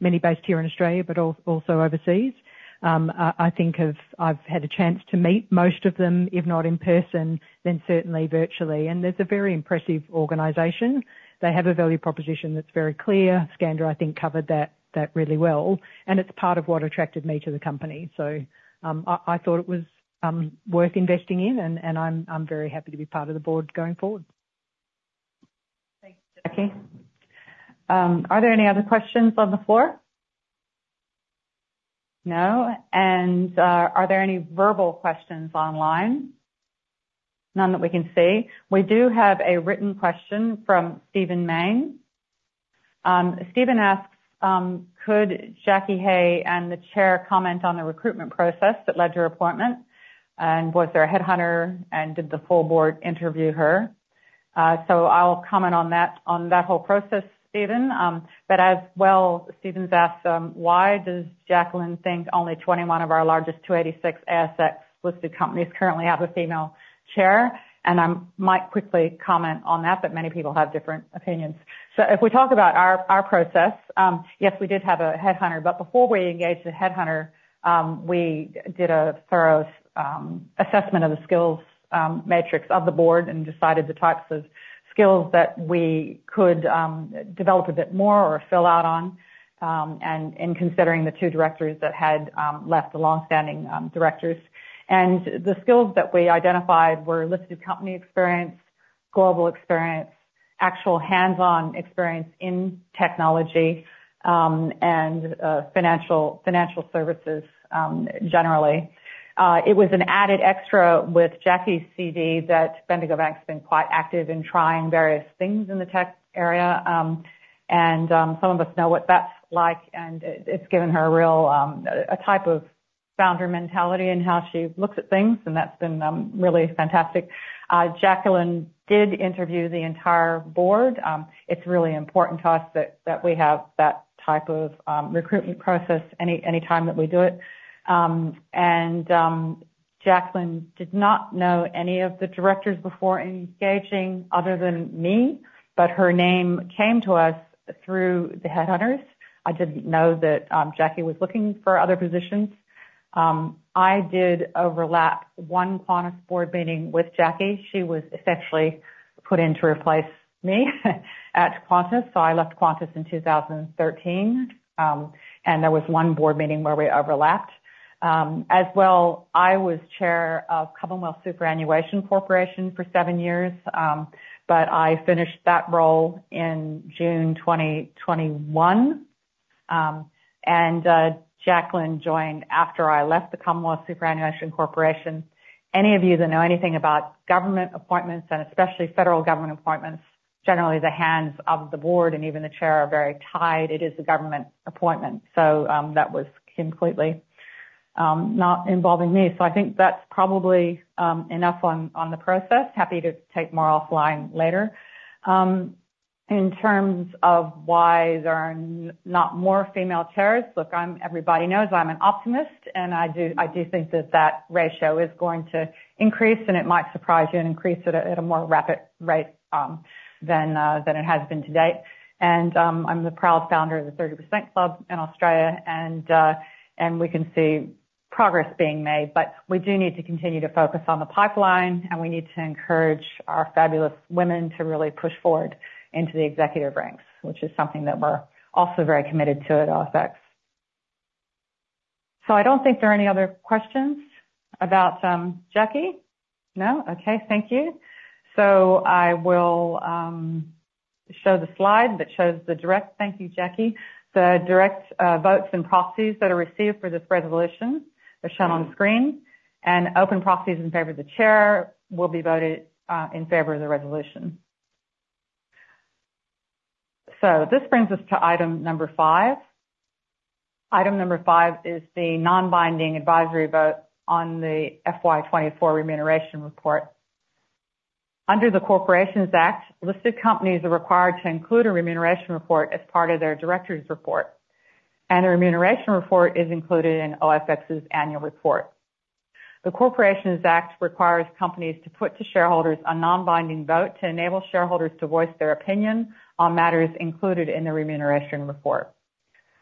many based here in Australia, but also overseas, I think I've had a chance to meet most of them, if not in person, then certainly virtually. And it's a very impressive organization. They have a value proposition that's very clear. Skander, I think, covered that really well. It's part of what attracted me to the company. I thought it was worth investing in, and I'm very happy to be part of the Board going forward. Thanks, Jackie. Are there any other questions on the floor? No? And are there any verbal questions online? None that we can see. We do have a written question from Stephen Mayne. Stephen asks, "Could Jackie Hey and the chair comment on the recruitment process that led to her appointment? And was there a headhunter, and did the full Board interview her?" So I'll comment on that whole process, Stephen. But as well, Stephen's asked, "Why does Jacqueline think only 21 of our largest 286 ASX-listed companies currently have a female chair?" And I might quickly comment on that, but many people have different opinions. So if we talk about our process, yes, we did have a headhunter, but before we engaged the headhunter, we did a thorough assessment of the skills matrix of the Board and decided the types of skills that we could develop a bit more or fill out on in considering the two directors that had left the long-standing directors. The skills that we identified were listed company experience, global experience, actual hands-on experience in technology, and financial services generally. It was an added extra with Jackie's CV that Bendigo Bank's been quite active in trying various things in the tech area, and some of us know what that's like, and it's given her a real type of founder mentality in how she looks at things, and that's been really fantastic. Jacqueline did interview the entire Board. It's really important to us that we have that type of recruitment process any time that we do it. Jacqueline did not know any of the directors before engaging other than me, but her name came to us through the headhunters. I didn't know that Jackie was looking for other positions. I did overlap one Qantas Board meeting with Jackie. She was essentially put in to replace me at Qantas, so I left Qantas in 2013, and there was one Board meeting where we overlapped. As well, I was Chair of Commonwealth Superannuation Corporation for seven years, but I finished that role in June 2021, and Jacqueline joined after I left the Commonwealth Superannuation Corporation. Any of you that know anything about government appointments, and especially federal government appointments, generally the hands of the Board and even the Chair are very tied. It is a government appointment, so that was completely not involving me. So I think that's probably enough on the process. Happy to take more offline later. In terms of why there are not more female chairs, look, everybody knows I'm an optimist, and I do think that that ratio is going to increase, and it might surprise you and increase at a more rapid rate than it has been to date. And I'm the proud founder of the 30% Club in Australia, and we can see progress being made, but we do need to continue to focus on the pipeline, and we need to encourage our fabulous women to really push forward into the executive ranks, which is something that we're also very committed to at OFX. So I don't think there are any other questions about Jackie. No? Okay. Thank you. So I will show the slide that shows the direct, thank you, Jackie, the direct votes and proxies that are received for this resolution. They're shown on screen. And open proxies in favor of the chair will be voted in favor of the resolution. So this brings us to item number five. Item number five is the non-binding advisory vote on the FY2024 remuneration report. Under the Corporations Act, listed companies are required to include a remuneration report as part of their directors' report, and the remuneration report is included in OFX's annual report. The Corporations Act requires companies to put to shareholders a non-binding vote to enable shareholders to voice their opinion on matters included in the remuneration report.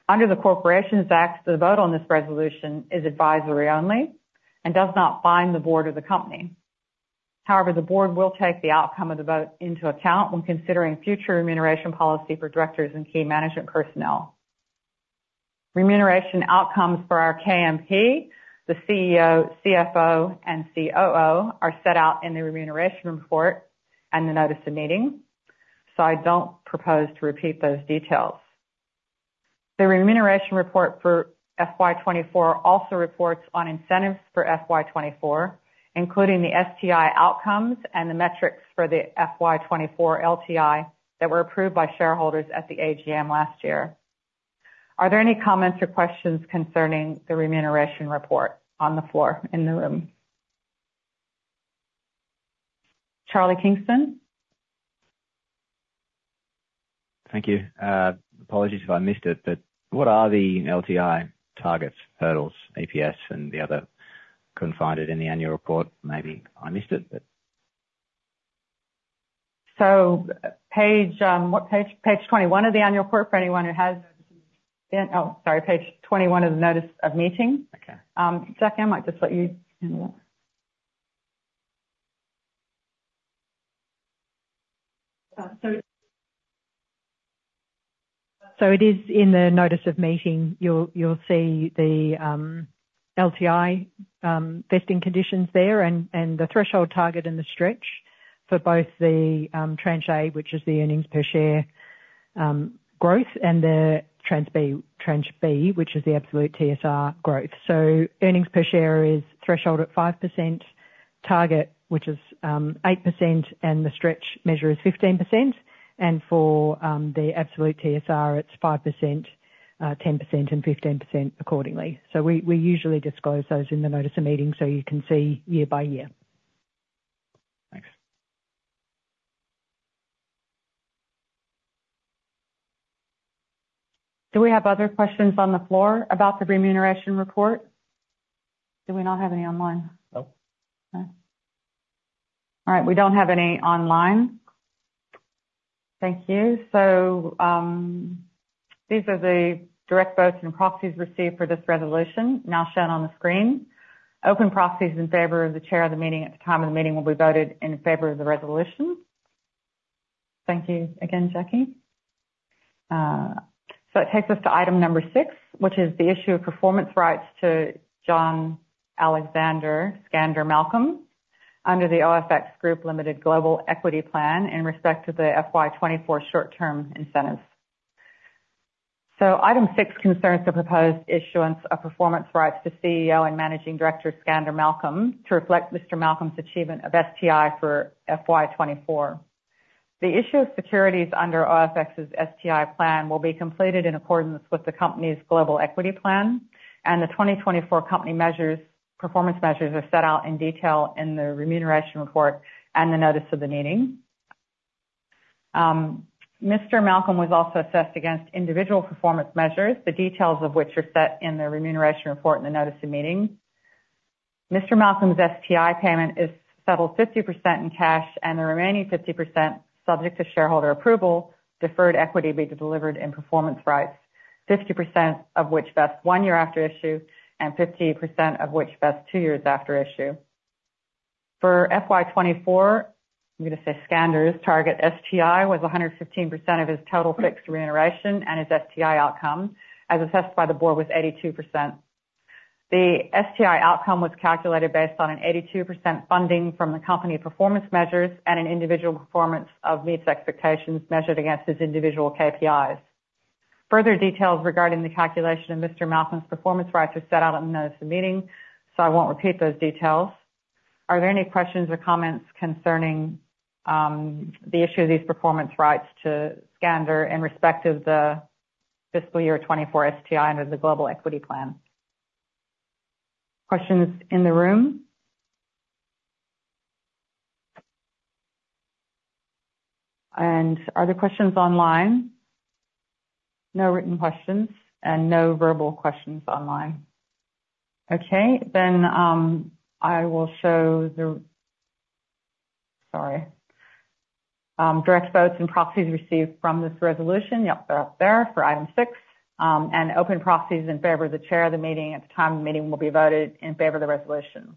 Under the Corporations Act, the vote on this resolution is advisory only and does not bind the Board or the company. However, the Board will take the outcome of the vote into account when considering future remuneration policy for directors and key management personnel. Remuneration outcomes for our KMP, the CEO, CFO, and COO are set out in the remuneration report and the Notice of Meeting, so I don't propose to repeat those details. The remuneration report for FY2024 also reports on incentives for FY2024, including the STI outcomes and the metrics for the FY2024 LTI that were approved by shareholders at the AGM last year. Are there any comments or questions concerning the remuneration report on the floor in the room? Charlie Kingston? Thank you. Apologies if I missed it, but what are the LTI targets, hurdles, EPS, and the other? Couldn't find it in the annual report. Maybe I missed it, but. So what page? Page 21 of the annual report for anyone who has noticed, oh, sorry. Page 21 of the Notice of Meeting. Okay. Jackie, I might just let you handle that. So it is in the Notice of Meeting. You'll see the LTI vesting conditions there and the threshold target and the stretch for both the tranche A, which is the earnings per share growth, and the tranche B, which is the absolute TSR growth. So earnings per share is threshold at 5%, target, which is 8%, and the stretch measure is 15%. And for the absolute TSR, it's 5%, 10%, and 15% accordingly. So we usually disclose those in the Notice of Meeting so you can see year by year. Thanks. Do we have other questions on the floor about the remuneration report? Do we not have any online? No. No? All right. We don't have any online. Thank you. These are the direct votes and proxies received for this resolution now shown on the screen. Open proxies in favor of the chair of the meeting at the time of the meeting will be voted in favor of the resolution. Thank you again, Jackie. That takes us to item number six, which is the issue of performance rights to John Alexander Skander Malcolm under the OFX Group Limited Global Equity Plan in respect to the FY24 short-term incentives. Item six concerns the proposed issuance of performance rights to CEO and Managing Director Skander Malcolm to reflect Mr. Malcolm's achievement of STI for FY24. The issue of securities under OFX's STI plan will be completed in accordance with the company's Global Equity Plan, and the 2024 company performance measures are set out in detail in the remuneration report and the notice of the meeting. Mr. Malcolm was also assessed against individual performance measures, the details of which are set in the remuneration report and the Notice of Meeting. Mr. Malcolm's STI payment is settled 50% in cash, and the remaining 50%, subject to shareholder approval, deferred equity will be delivered in performance rights, 50% of which vests one year after issue and 50% of which vests two years after issue. For FY24, I'm going to say Skander's target STI was 115% of his total fixed remuneration, and his STI outcome, as assessed by the Board, was 82%. The STI outcome was calculated based on an 82% funding from the company performance measures and an individual performance of meets expectations measured against his individual KPIs. Further details regarding the calculation of Mr. Malcolm's performance rights are set out in the Notice of Meeting, so I won't repeat those details. Are there any questions or comments concerning the issue of these performance rights to Skander in respect of the fiscal year 2024 STI under the Global Equity Plan? Questions in the room? And are there questions online? No written questions and no verbal questions online. Okay. Then I will show the, sorry. Direct votes and proxies received from this resolution. Yep, they're up there for item six. And open proxies in favor of the chair of the meeting at the time of the meeting will be voted in favor of the resolution.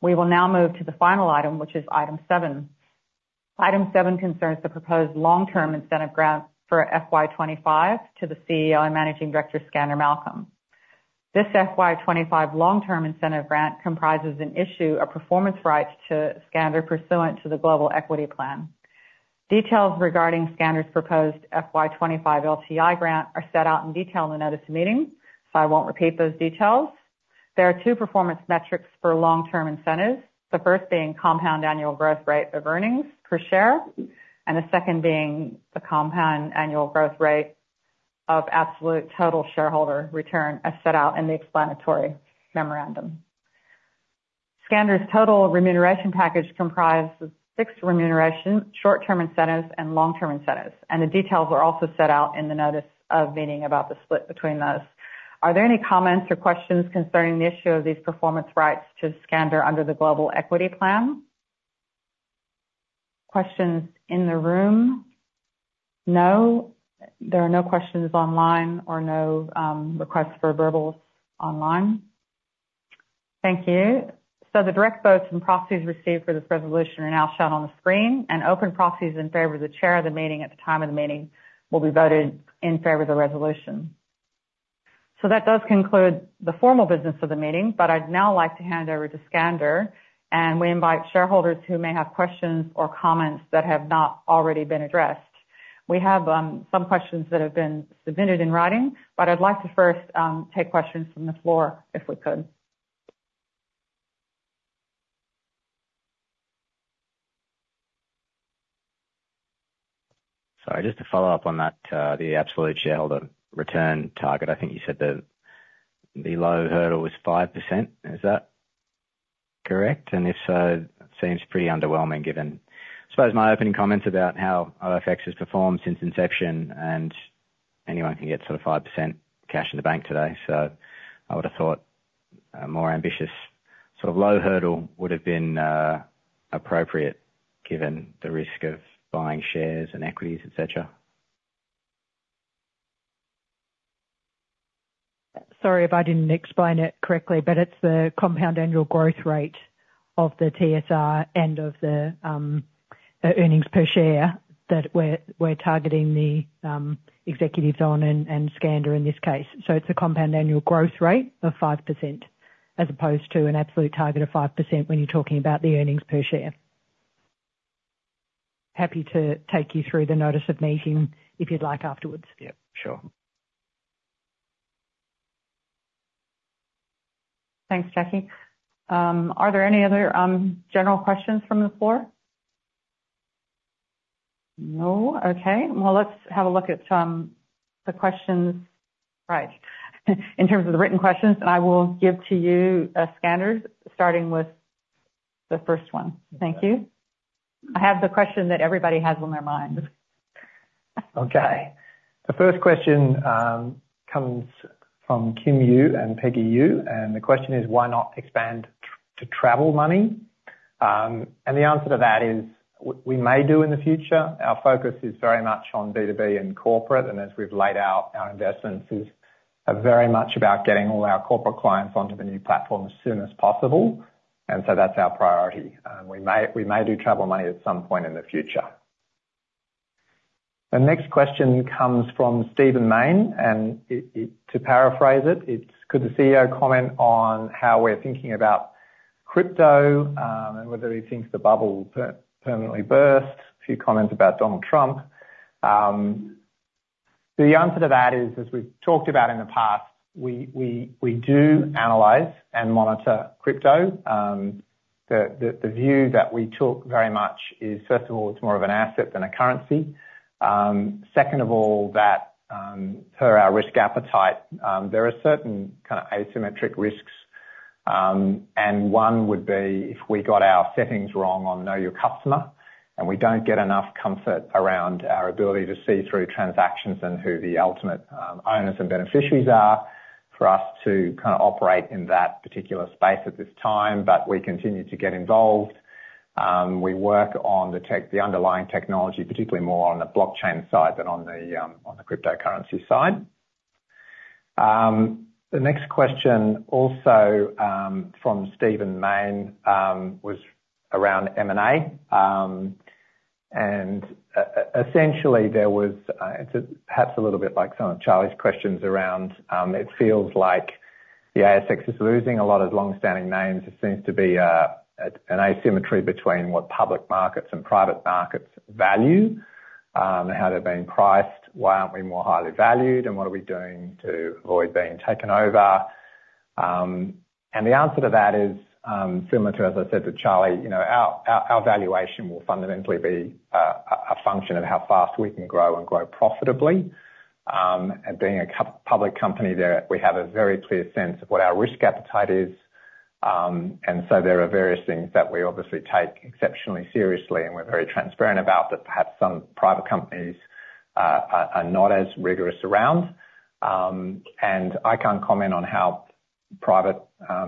We will now move to the final item, which is Item seven. Item seven concerns the proposed long-term incentive grant for FY25 to the CEO and Managing Director Skander Malcolm. This FY25 long-term incentive grant comprises an issue of performance rights to Skander pursuant to the Global Equity Plan. Details regarding Skander's proposed FY25 LTI grant are set out in detail in the Notice of Meeting, so I won't repeat those details. There are two performance metrics for long-term incentives, the first being compound annual growth rate of earnings per share and the second being the compound annual growth rate of absolute total shareholder return as set out in the explanatory memorandum. Skander's total remuneration package comprises fixed remuneration, short-term incentives, and long-term incentives, and the details are also set out in the Notice of Meeting about the split between those. Are there any comments or questions concerning the issue of these performance rights to Skander under the Global Equity Plan? Questions in the room? No. There are no questions online or no requests for verbals online. Thank you. So the direct votes and proxies received for this resolution are now shown on the screen, and open proxies in favor of the chair of the meeting at the time of the meeting will be voted in favor of the resolution. So that does conclude the formal business of the meeting, but I'd now like to hand over to Skander, and we invite shareholders who may have questions or comments that have not already been addressed. We have some questions that have been submitted in writing, but I'd like to first take questions from the floor if we could. Sorry. Just to follow up on that, the absolute shareholder return target, I think you said the low hurdle was 5%. Is that correct? And if so, it seems pretty underwhelming given, I suppose my opening comments about how OFX has performed since inception, and anyone can get sort of 5% cash in the bank today. So I would have thought a more ambitious sort of low hurdle would have been appropriate given the risk of buying shares and equities, etc. Sorry if I didn't explain it correctly, but it's the compound annual growth rate of the TSR and of the earnings per share that we're targeting the executives on and Skander in this case. So it's a compound annual growth rate of 5% as opposed to an absolute target of 5% when you're talking about the earnings per share. Happy to take you through the Notice of Meeting if you'd like afterwards. Yeah. Sure. Thanks, Jackie. Are there any other general questions from the floor? No? Okay. Well, let's have a look at the questions. Right. In terms of the written questions, I will give to you Skander's starting with the first one. Thank you. I have the question that everybody has on their mind. Okay. The first question comes from Kim Yu and Peggy Yu, and the question is, "Why not expand to travel money?" And the answer to that is we may do in the future. Our focus is very much on B2B and corporate, and as we've laid out, our investments are very much about getting all our corporate clients onto the new platform as soon as possible, and so that's our priority. We may do travel money at some point in the future. The next question comes from Stephen Mayne, and to paraphrase it, "Could the CEO comment on how we're thinking about crypto and whether he thinks the bubble will permanently burst?" A few comments about Donald Trump. The answer to that is, as we've talked about in the past, we do analyze and monitor crypto. The view that we took very much is, first of all, it's more of an asset than a currency. Second of all, that per our risk appetite, there are certain kind of asymmetric risks, and one would be if we got our settings wrong on Know Your Customer and we don't get enough comfort around our ability to see through transactions and who the ultimate owners and beneficiaries are for us to kind of operate in that particular space at this time, but we continue to get involved. We work on the underlying technology, particularly more on the blockchain side than on the cryptocurrency side. The next question also from Stephen Mayne was around M&A, and essentially, there was, it's perhaps a little bit like some of Charlie's questions around, it feels like the ASX is losing a lot of long-standing names. There seems to be an asymmetry between what public markets and private markets value, how they're being priced, why aren't we more highly valued, and what are we doing to avoid being taken over. The answer to that is similar to, as I said to Charlie, our valuation will fundamentally be a function of how fast we can grow and grow profitably. Being a public company, we have a very clear sense of what our risk appetite is, and so there are various things that we obviously take exceptionally seriously, and we're very transparent about that perhaps some private companies are not as rigorous around. I can't comment on how private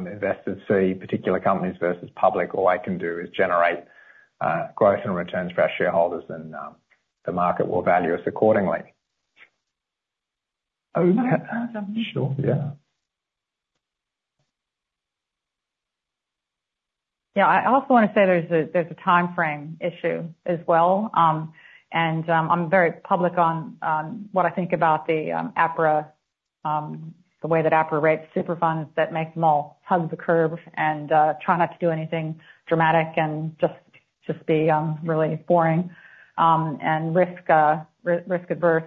investors see particular companies versus public. All I can do is generate growth and returns for our shareholders, and the market will value us accordingly. Sure. Yeah. Yeah. I also want to say there's a timeframe issue as well, and I'm very public on what I think about the APRA, the way that APRA rates super funds that make them all hug the curve and try not to do anything dramatic and just be really boring and risk-averse.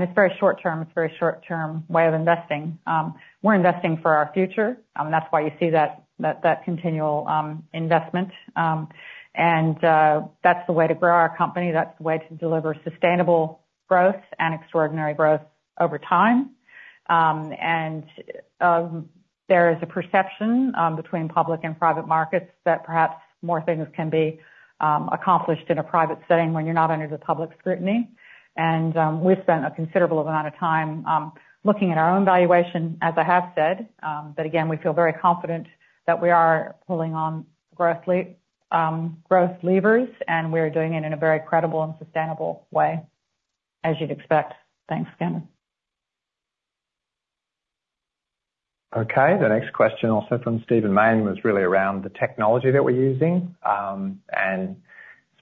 It's very short-term. It's a very short-term way of investing. We're investing for our future, and that's why you see that continual investment. That's the way to grow our company. That's the way to deliver sustainable growth and extraordinary growth over time. There is a perception between public and private markets that perhaps more things can be accomplished in a private setting when you're not under the public scrutiny. We've spent a considerable amount of time looking at our own valuation, as I have said, but again, we feel very confident that we are pulling on growth levers, and we're doing it in a very credible and sustainable way, as you'd expect. Thanks, Skander. Okay. The next question also from Stephen Mayne was really around the technology that we're using and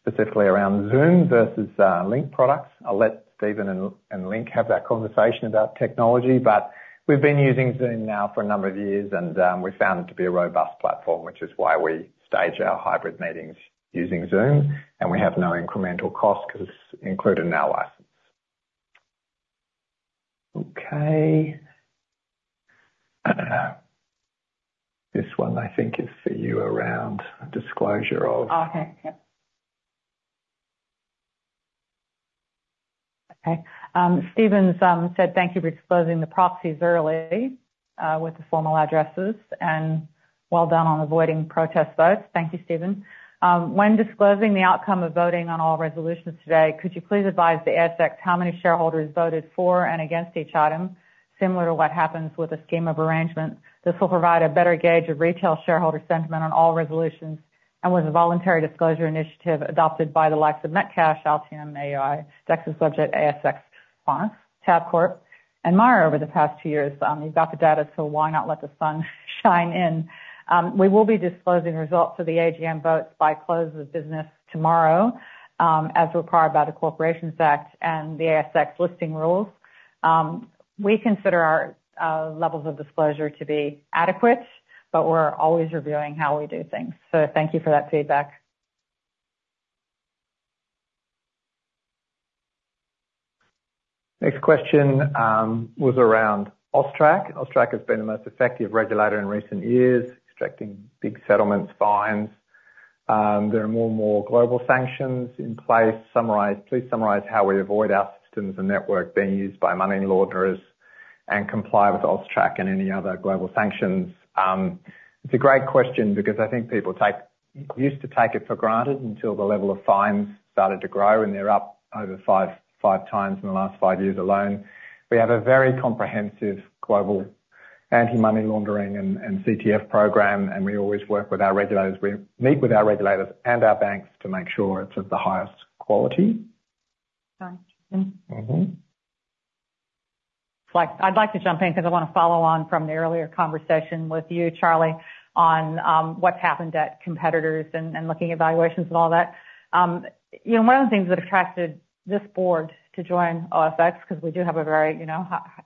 specifically around Zoom versus Link products. I'll let Stephen and Link have that conversation about technology, but we've been using Zoom now for a number of years, and we found it to be a robust platform, which is why we stage our hybrid meetings using Zoom, and we have no incremental costs because it's included in our license. Okay. This one, I think, is for you around disclosure of. Stephen said, "Thank you for disclosing the proxies early with the formal addresses, and well done on avoiding protest votes." Thank you, Stephen. "When disclosing the outcome of voting on all resolutions today, could you please advise the ASX how many shareholders voted for and against each item, similar to what happens with a scheme of arrangement? This will provide a better gauge of retail shareholder sentiment on all resolutions and was a voluntary disclosure initiative adopted by the likes of Metcash, Altium, AGL, Dexus, ASX, Qantas, Tabcorp, and Myer over the past two years. You've got the data, so why not let the sun shine in?" We will be disclosing results of the AGM votes by close of business tomorrow as required by the Corporations Act and the ASX listing rules. We consider our levels of disclosure to be adequate, but we're always reviewing how we do things. So thank you for that feedback. Next question was around AUSTRAC. AUSTRAC has been the most effective regulator in recent years, extracting big settlements, fines. There are more and more global sanctions in place. Please summarize how we avoid our systems and network being used by money launderers and comply with AUSTRAC and any other global sanctions. It's a great question because I think people used to take it for granted until the level of fines started to grow, and they're up over five times in the last five years alone. We have a very comprehensive global anti-money laundering and CTF program, and we always work with our regulators. We meet with our regulators and our banks to make sure it's of the highest quality. Done. I'd like to jump in because I want to follow on from the earlier conversation with you, Charlie, on what's happened at competitors and looking at valuations and all that. One of the things that attracted this Board to join OFX, because we do have a very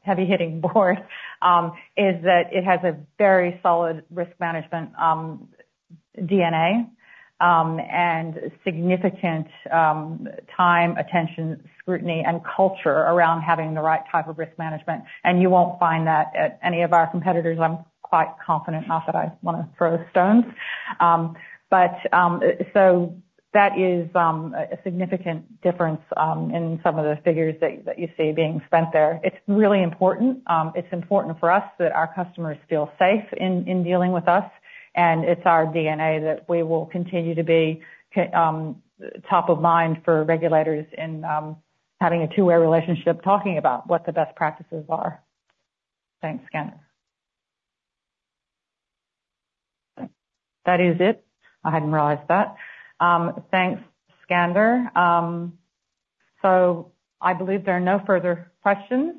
heavy-hitting Board, is that it has a very solid risk management DNA and significant time, attention, scrutiny, and culture around having the right type of risk management. And you won't find that at any of our competitors. I'm quite confident, not that I want to throw stones. But so that is a significant difference in some of the figures that you see being spent there. It's really important. It's important for us that our customers feel safe in dealing with us, and it's our DNA that we will continue to be top of mind for regulators in having a two-way relationship talking about what the best practices are. Thanks, Skander. That is it. I hadn't realized that. Thanks, Skander. So I believe there are no further questions,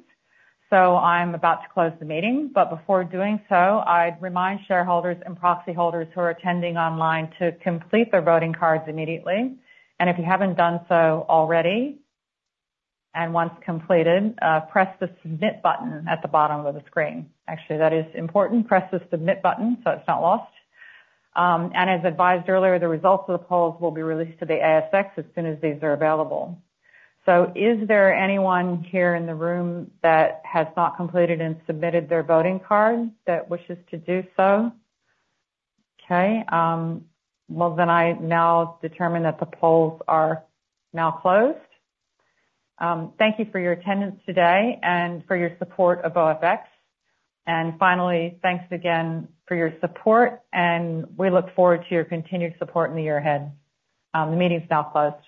so I'm about to close the meeting. But before doing so, I'd remind shareholders and proxy holders who are attending online to complete their voting cards immediately. And if you haven't done so already, and once completed, press the submit button at the bottom of the screen. Actually, that is important. Press the submit button so it's not lost. And as advised earlier, the results of the polls will be released to the ASX as soon as these are available. So is there anyone here in the room that has not completed and submitted their voting card that wishes to do so? Okay. Well, then I now determine that the polls are now closed. Thank you for your attendance today and for your support of OFX. Finally, thanks again for your support, and we look forward to your continued support in the year ahead. The meeting's now closed.